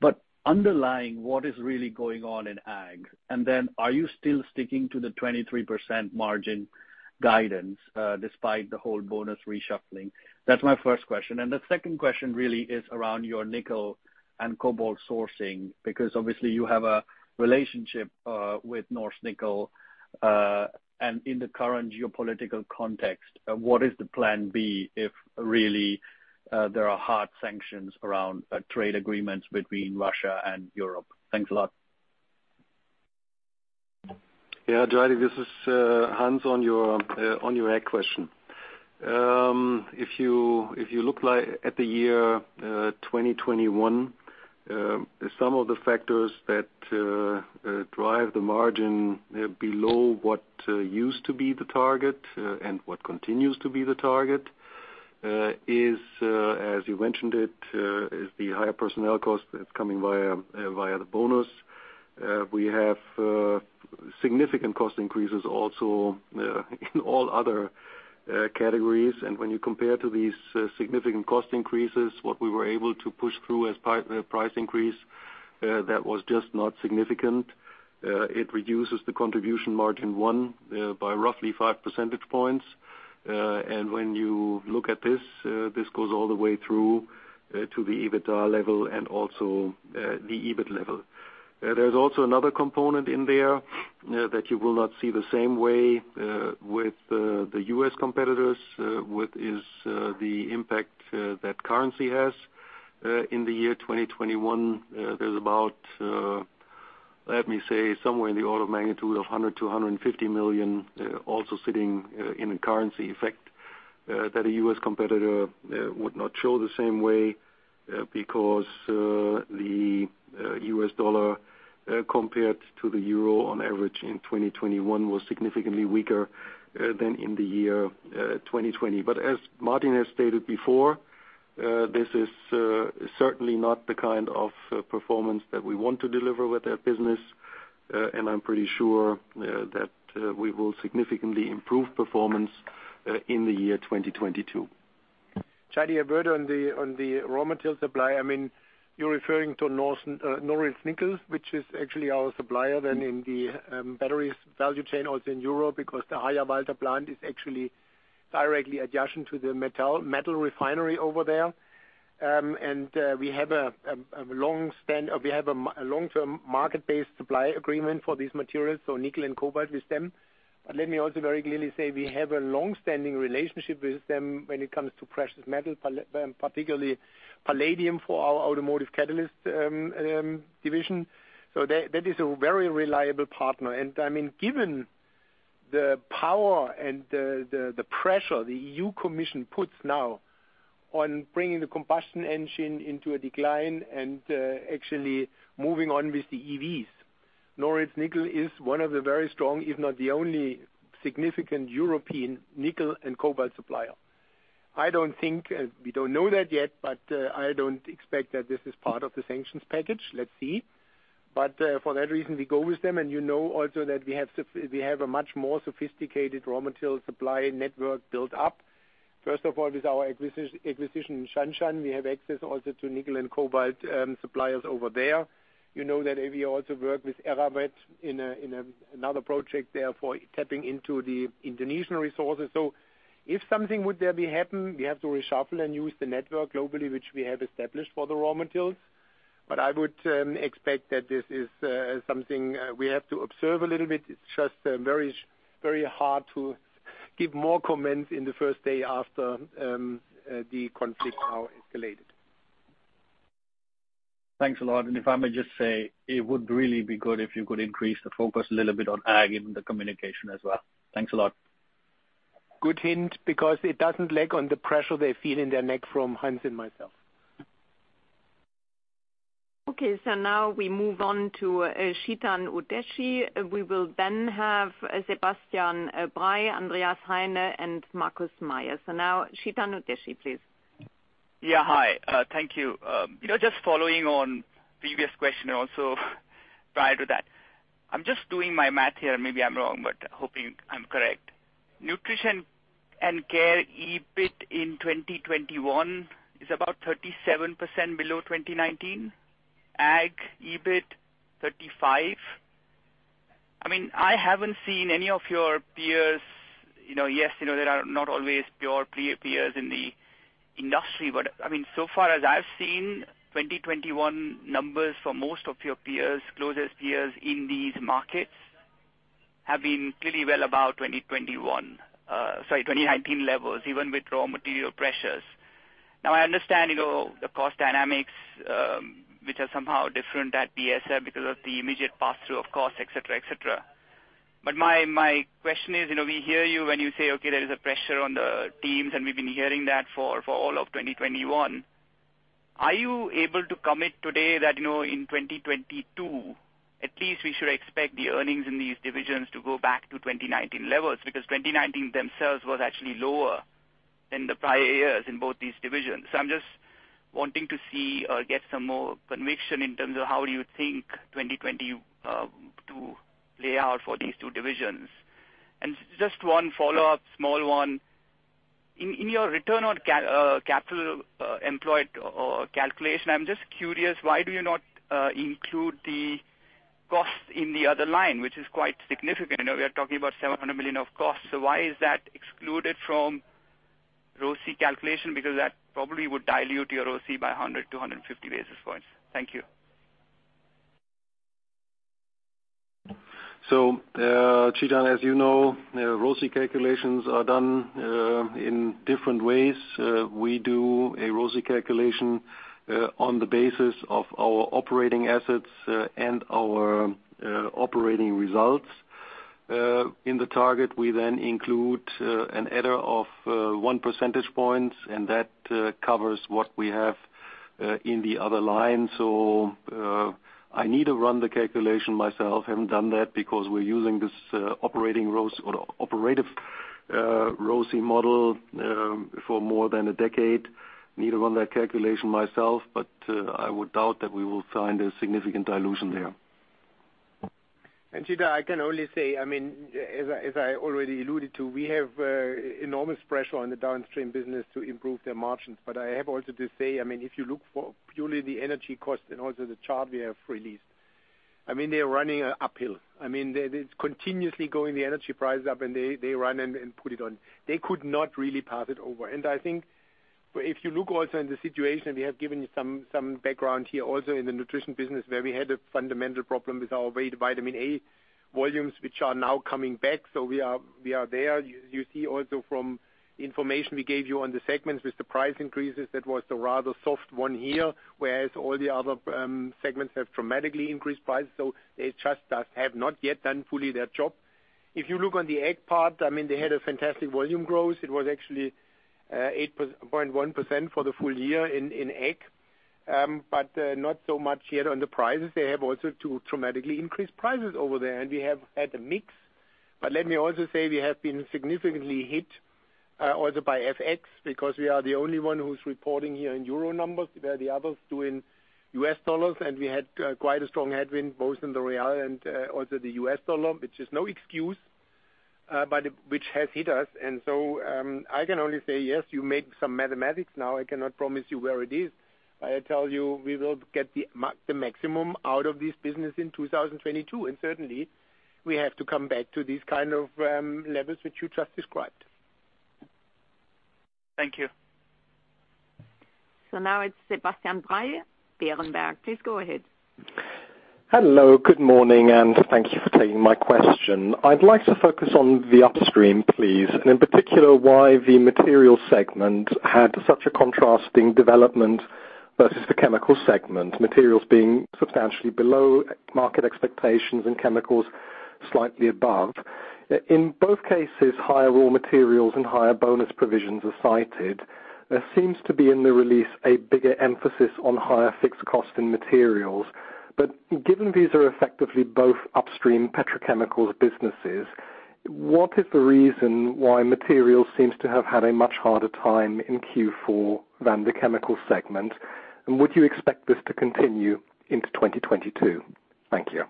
but underlying what is really going on in ag? Then are you still sticking to the 23% margin guidance, despite the whole bonus reshuffling? That's my first question. The second question really is around your nickel and cobalt sourcing, because obviously you have a relationship with Norilsk Nickel. In the current geopolitical context, what is the plan B if really there are hard sanctions around trade agreements between Russia and Europe? Thanks a lot. Yeah, Jaideep, this is Hans on your ag question. If you look at the year 2021, some of the factors that drive the margin below what used to be the target and what continues to be the target is, as you mentioned it, is the higher personnel cost that's coming via the bonus. We have significant cost increases also in all other categories. When you compare to these significant cost increases, what we were able to push through as price increase, that was just not significant. It reduces the contribution margin by roughly five percentage points. When you look at this goes all the way through to the EBITDA level and also the EBIT level. There's also another component in there that you will not see the same way with the U.S. competitors, which is the impact that currency has in the year 2021. There's about, let me say somewhere in the order of magnitude of 100-150 million also sitting in a currency effect that a U.S. competitor would not show the same way because the US dollar compared to the Euro on average in 2021 was significantly weaker than in the year 2020. As Martin has stated before, this is certainly not the kind of performance that we want to deliver with our business, and I'm pretty sure that we will significantly improve performance in the year 2022. Jaideep, a word on the raw material supply. I mean, you're referring to Norilsk Nickel, which is actually our supplier in the batteries value chain also in Europe, because the Harjavalta plant is actually directly adjacent to the metal refinery over there. We have a long-term market-based supply agreement for these materials, so nickel and cobalt with them. But let me also very clearly say we have a long-standing relationship with them when it comes to precious metals, particularly palladium for our automotive catalysts division. That is a very reliable partner. I mean, given the power and the pressure the EU Commission puts now on bringing the combustion engine into a decline and actually moving on with the EVs, Norilsk Nickel is one of the very strong, if not the only significant European nickel and cobalt supplier. I don't think we don't know that yet, but I don't expect that this is part of the sanctions package. Let's see. For that reason, we go with them. You know also that we have a much more sophisticated raw material supply network built up. First of all, with our acquisition in Shanshan, we have access also to nickel and cobalt suppliers over there. You know that we also work with Eramet in another project there for tapping into the Indonesian resources. If something would happen there, we have to reshuffle and use the network globally, which we have established for the raw materials. I would expect that this is something we have to observe a little bit. It's just very hard to give more comments in the first day after the conflict now escalated. Thanks a lot. If I may just say, it would really be good if you could increase the focus a little bit on ag in the communication as well. Thanks a lot. Good hint, because it doesn't lack on the pressure they feel in their neck from Hans and myself. Okay, now we move on to Chetan Udeshi. We will then have Sebastian Bray, Andreas Heine and Markus Mayer. Now Chetan Udeshi, please. Yeah. Hi, thank you. You know, just following on previous question also prior to that, I'm just doing my math here, maybe I'm wrong, but hoping I'm correct. Nutrition & Care EBIT in 2021 is about 37% below 2019. Ag EBIT, 35%. I mean, I haven't seen any of your peers. You know, yes, you know, there are not always pure peers in the industry, but I mean, so far as I've seen, 2021 numbers for most of your peers, closest peers in these markets have been clearly well above 2021, sorry, 2019 levels, even with raw material pressures. Now I understand, you know, the cost dynamics, which are somehow different at BASF because of the immediate pass through of costs, et cetera, et cetera. My question is, you know, we hear you when you say, okay, there is a pressure on the teams, and we've been hearing that for all of 2021. Are you able to commit today that, you know, in 2022, at least we should expect the earnings in these divisions to go back to 2019 levels? Because 2019 itself was actually lower than the prior years in both these divisions. I'm just wanting to see or get some more conviction in terms of how you think 2022 play out for these two divisions. Just one follow-up, small one. In your return on capital employed calculation, I'm just curious, why do you not include the costs in the other line, which is quite significant? You know, we are talking about 700 million of costs, so why is that excluded from ROCE calculation? Because that probably would dilute your ROCE by 100-250 basis points. Thank you. Chetan, as you know, ROCE calculations are done in different ways. We do a ROCE calculation on the basis of our operating assets and our operating results. In the target, we then include an adder of one percentage point, and that covers what we have in the other line. I need to run the calculation myself. Haven't done that because we're using this operating ROCE or operative ROCE model for more than a decade. Need to run that calculation myself, but I would doubt that we will find a significant dilution there. Chetan, I can only say, I mean, as I already alluded to, we have enormous pressure on the downstream business to improve their margins. I have also to say, I mean, if you look for purely the energy cost and also the chart we have released, I mean, they're running uphill. I mean, they're, it's continuously going the energy price up, and they run and put it on. They could not really pass it over. I think if you look also in the situation, we have given you some background here also in the nutrition business where we had a fundamental problem with our vitamin A volumes, which are now coming back. We are there. You see also from information we gave you on the segments with the price increases, that was the rather soft one here, whereas all the other segments have dramatically increased prices. They just have not yet done fully their job. If you look on the ag part, I mean, they had a fantastic volume growth. It was actually 8.1% for the full year in ag, but not so much yet on the prices. They have also to dramatically increase prices over there. We have had a mix. Let me also say we have been significantly hit also by FX because we are the only one who's reporting here in euro numbers, where the others do in US dollars, and we had quite a strong headwind both in the real and also the US dollar, which is no excuse but which has hit us. I can only say, yes, you make some mathematics now. I cannot promise you where it is. I tell you we will get the maximum out of this business in 2022, and certainly we have to come back to these kind of levels which you just described. Thank you. Now it's Sebastian Bray, Berenberg. Please go ahead. Hello, good morning, and thank you for taking my question. I'd like to focus on the upstream, please, and in particular why the Materials segment had such a contrasting development versus the Chemicals segment, Materials being substantially below market expectations and Chemicals slightly above. In both cases, higher raw materials and higher bonus provisions are cited. There seems to be in the release a bigger emphasis on higher fixed cost in Materials. Given these are effectively both upstream petrochemicals businesses, what is the reason why Materials seems to have had a much harder time in Q4 than the Chemicals segment? And would you expect this to continue into 2022? Thank you.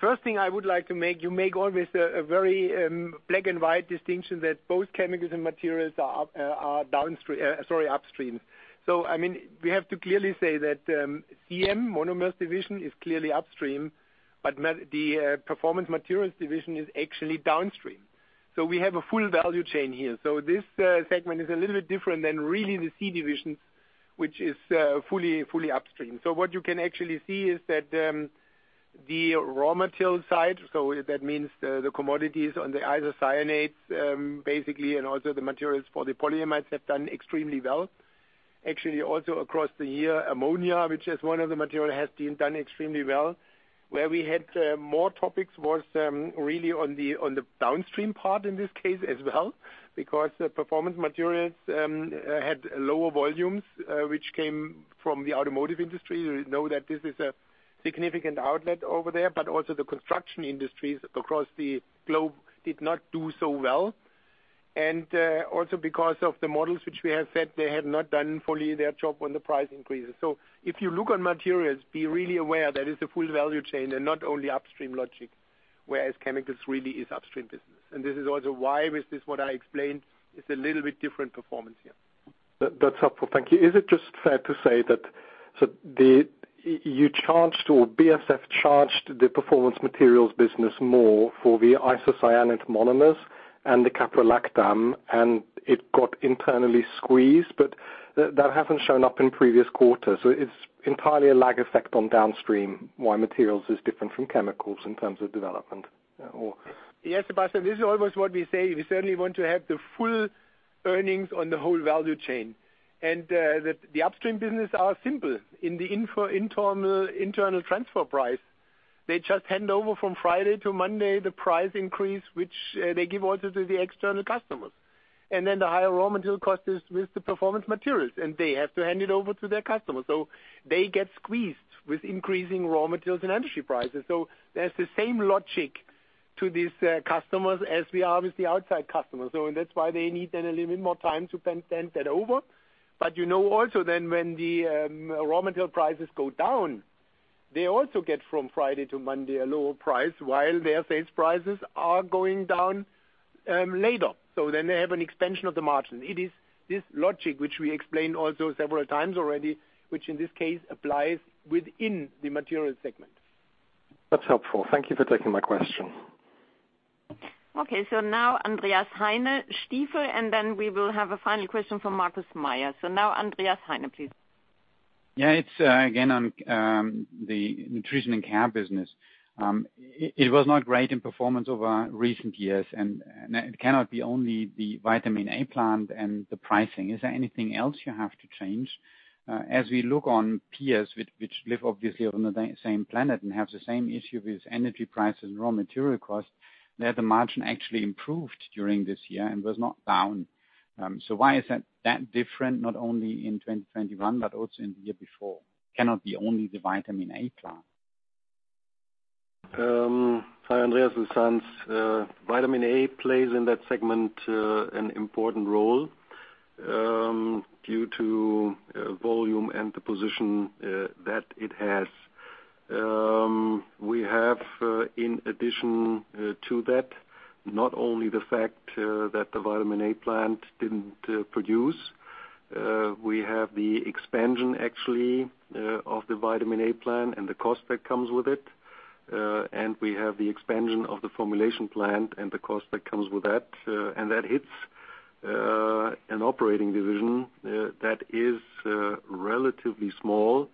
First thing I would like to make, you make always a very black and white distinction that both chemicals and materials are upstream. I mean, we have to clearly say that MDI Monomers division is clearly upstream, but the performance materials division is actually downstream. We have a full value chain here. This segment is a little bit different than really the Chemicals divisions, which is fully upstream. What you can actually see is that the raw material side. That means the commodities on the isocyanates basically and also the materials for the polyamides have done extremely well. Actually, also across the year, ammonia, which is one of the materials, has done extremely well. Where we had more topics was really on the downstream part in this case as well, because the Performance Materials had lower volumes, which came from the automotive industry. You know that this is a significant outlet over there, but also the construction industries across the globe did not do so well. Also because of the models which we have said they had not done fully their job on the price increases. If you look on Materials, be really aware that is the full value chain and not only upstream logic, whereas Chemicals really is upstream business. This is also why with this what I explained, it's a little bit different performance here. That's helpful. Thank you. Is it just fair to say that you charged or BASF charged the Performance Materials business more for the isocyanates monomers and the caprolactam, and it got internally squeezed, but that hasn't shown up in previous quarters. It's entirely a lag effect on downstream why Materials is different from Chemicals in terms of development, or? Yes, Sebastian. This is always what we say. We certainly want to have the full earnings on the whole value chain. The upstream business is simple. In the internal transfer price, they just hand over from Friday to Monday the price increase, which they also give to the external customers. Then the higher raw material cost is with the Performance Materials, and they have to hand it over to their customers. They get squeezed with increasing raw materials and energy prices. That's the same logic to these customers as we are with the outside customers. That's why they need then a little bit more time to pass that on. You know also then when the raw material prices go down, they also get from Friday to Monday a lower price while their sales prices are going down later. They have an extension of the margin. It is this logic which we explained also several times already, which in this case applies within the Materials segment. That's helpful. Thank you for taking my question. Okay, now Andreas Heine, Stifel, and then we will have a final question from Markus Mayer. Now Andreas Heine, please. It's again on the Nutrition & Care business. It was not great in performance over recent years and it cannot be only the Vitamin A plant and the pricing. Is there anything else you have to change? As we look on peers which live obviously on the same planet and have the same issue with energy prices and raw material costs, there the margin actually improved during this year and was not down. Why is that different, not only in 2021 but also in the year before? Cannot be only the Vitamin A plant. Hi, Andreas. This is Hans. Vitamin A plays in that segment an important role due to volume and the position that it has. We have in addition to that the expansion actually of the vitamin A plant and the cost that comes with it, and we have the expansion of the formulation plant and the cost that comes with that, and that hits an operating division that is relatively small.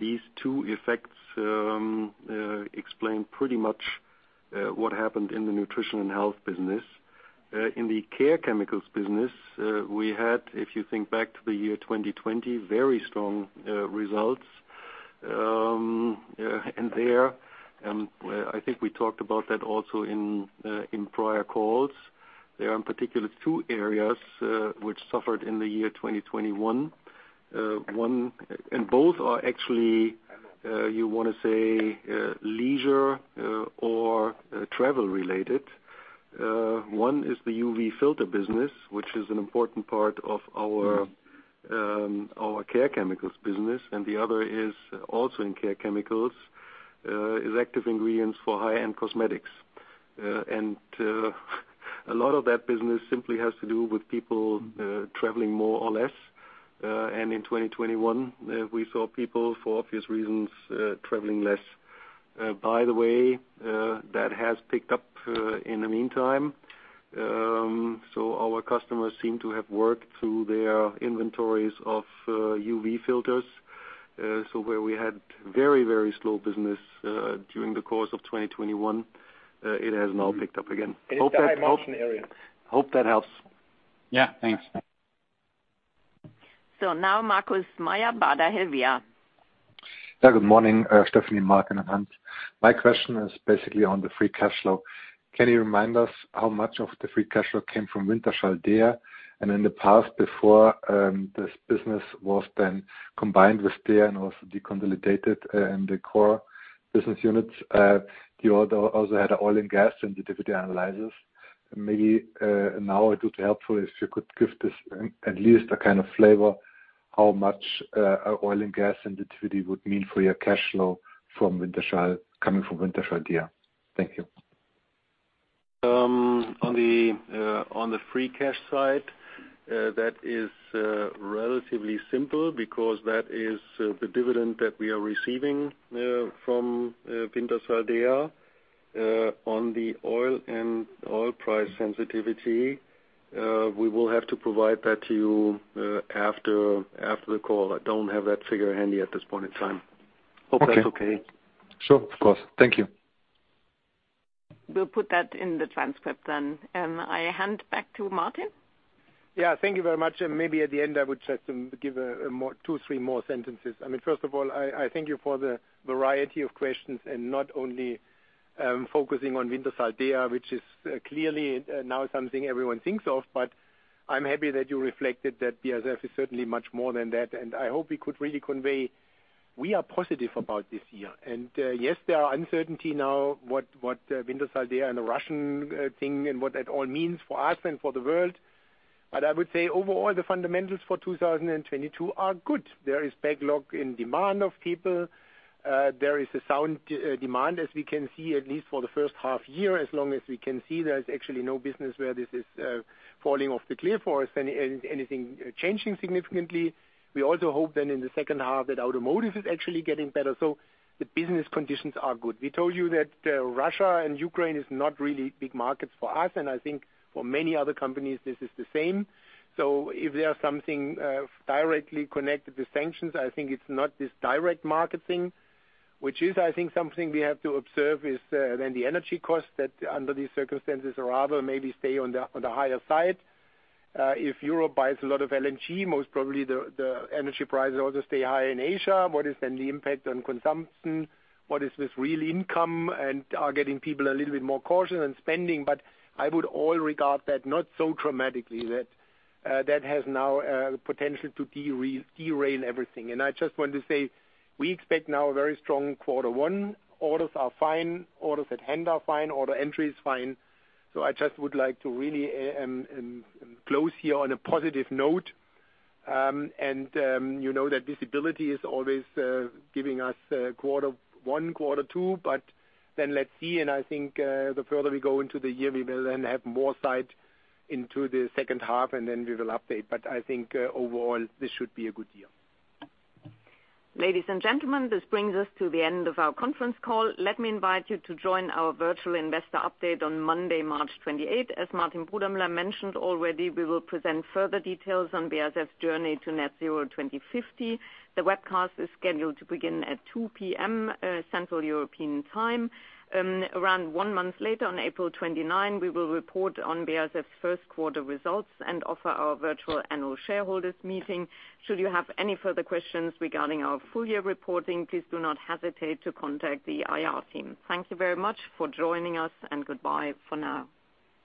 These two effects explain pretty much what happened in the Nutrition & Health business. In the Care Chemicals business, we had, if you think back to the year 2020, very strong results. There, I think we talked about that also in prior calls. There are in particular two areas which suffered in the year 2021. Both are actually, you wanna say, leisure or travel related. One is the UV filter business, which is an important part of our Care Chemicals business, and the other is also in Care Chemicals, active ingredients for high-end cosmetics. A lot of that business simply has to do with people traveling more or less, and in 2021, we saw people, for obvious reasons, traveling less. By the way, that has picked up in the meantime, so our customers seem to have worked through their inventories of UV filters. Where we had very, very slow business during the course of 2021, it has now picked up again. It's the high margin area. Hope that helps. Yeah. Thanks. Markus Mayer, Baader Helvea. Yeah. Good morning, Stephanie, Martin, and Hans. My question is basically on the free cash flow. Can you remind us how much of the free cash flow came from Wintershall Dea? In the past, before this business was then combined with DEA and also deconsolidated in the core business units, you also had oil and gas in the dividend analysis. Maybe now it would be helpful if you could give this, at least a kind of flavor how much oil and gas in the dividend would mean for your cash flow from Wintershall, coming from Wintershall Dea. Thank you. On the free cash side, that is relatively simple because that is the dividend that we are receiving from Wintershall Dea. On the oil price sensitivity, we will have to provide that to you after the call. I don't have that figure handy at this point in time. Okay. Hope that's okay. Sure. Of course. Thank you. We'll put that in the transcript then. I hand back to Martin. Yeah. Thank you very much. Maybe at the end, I would just give a more, two, three more sentences. I mean, first of all, I thank you for the variety of questions and not only focusing on Wintershall Dea, which is clearly now something everyone thinks of, but I'm happy that you reflected that BASF is certainly much more than that. I hope we could really convey we are positive about this year. Yes, there are uncertainty now what Wintershall Dea and the Russian thing and what that all means for us and for the world. I would say overall, the fundamentals for 2022 are good. There is backlog in demand of people. There is sound demand as we can see, at least for the first half year, as long as we can see there's actually no business where this is falling off the cliff for us, anything changing significantly. We also hope then in the second half that automotive is actually getting better, so the business conditions are good. We told you that Russia and Ukraine is not really big markets for us, and I think for many other companies this is the same. If there are something directly connected to sanctions, I think it's not this direct market thing, which is I think something we have to observe is then the energy costs that under these circumstances rather maybe stay on the higher side. If Europe buys a lot of LNG, most probably the energy prices also stay high in Asia. What is then the impact on consumption? What is this real income and are getting people a little bit more cautious in spending? But I would all regard that not so dramatically that that has now potential to derail everything. I just want to say we expect now a very strong quarter one. Orders are fine. Orders at hand are fine. Order entry is fine. I just would like to really close here on a positive note. You know that visibility is always giving us quarter one, quarter two, but then let's see, and I think the further we go into the year, we will then have more sight into the second half, and then we will update. I think, overall, this should be a good year. Ladies and gentlemen, this brings us to the end of our conference call. Let me invite you to join our virtual investor update on Monday, March 28. As Martin Brudermüller mentioned already, we will present further details on BASF's journey to Net Zero 2050. The webcast is scheduled to begin at 2:00 P.M., Central European Time. Around one month later, on April 29, we will report on BASF's first quarter results and offer our virtual annual shareholders meeting. Should you have any further questions regarding our full year reporting, please do not hesitate to contact the IR team. Thank you very much for joining us, and goodbye for now.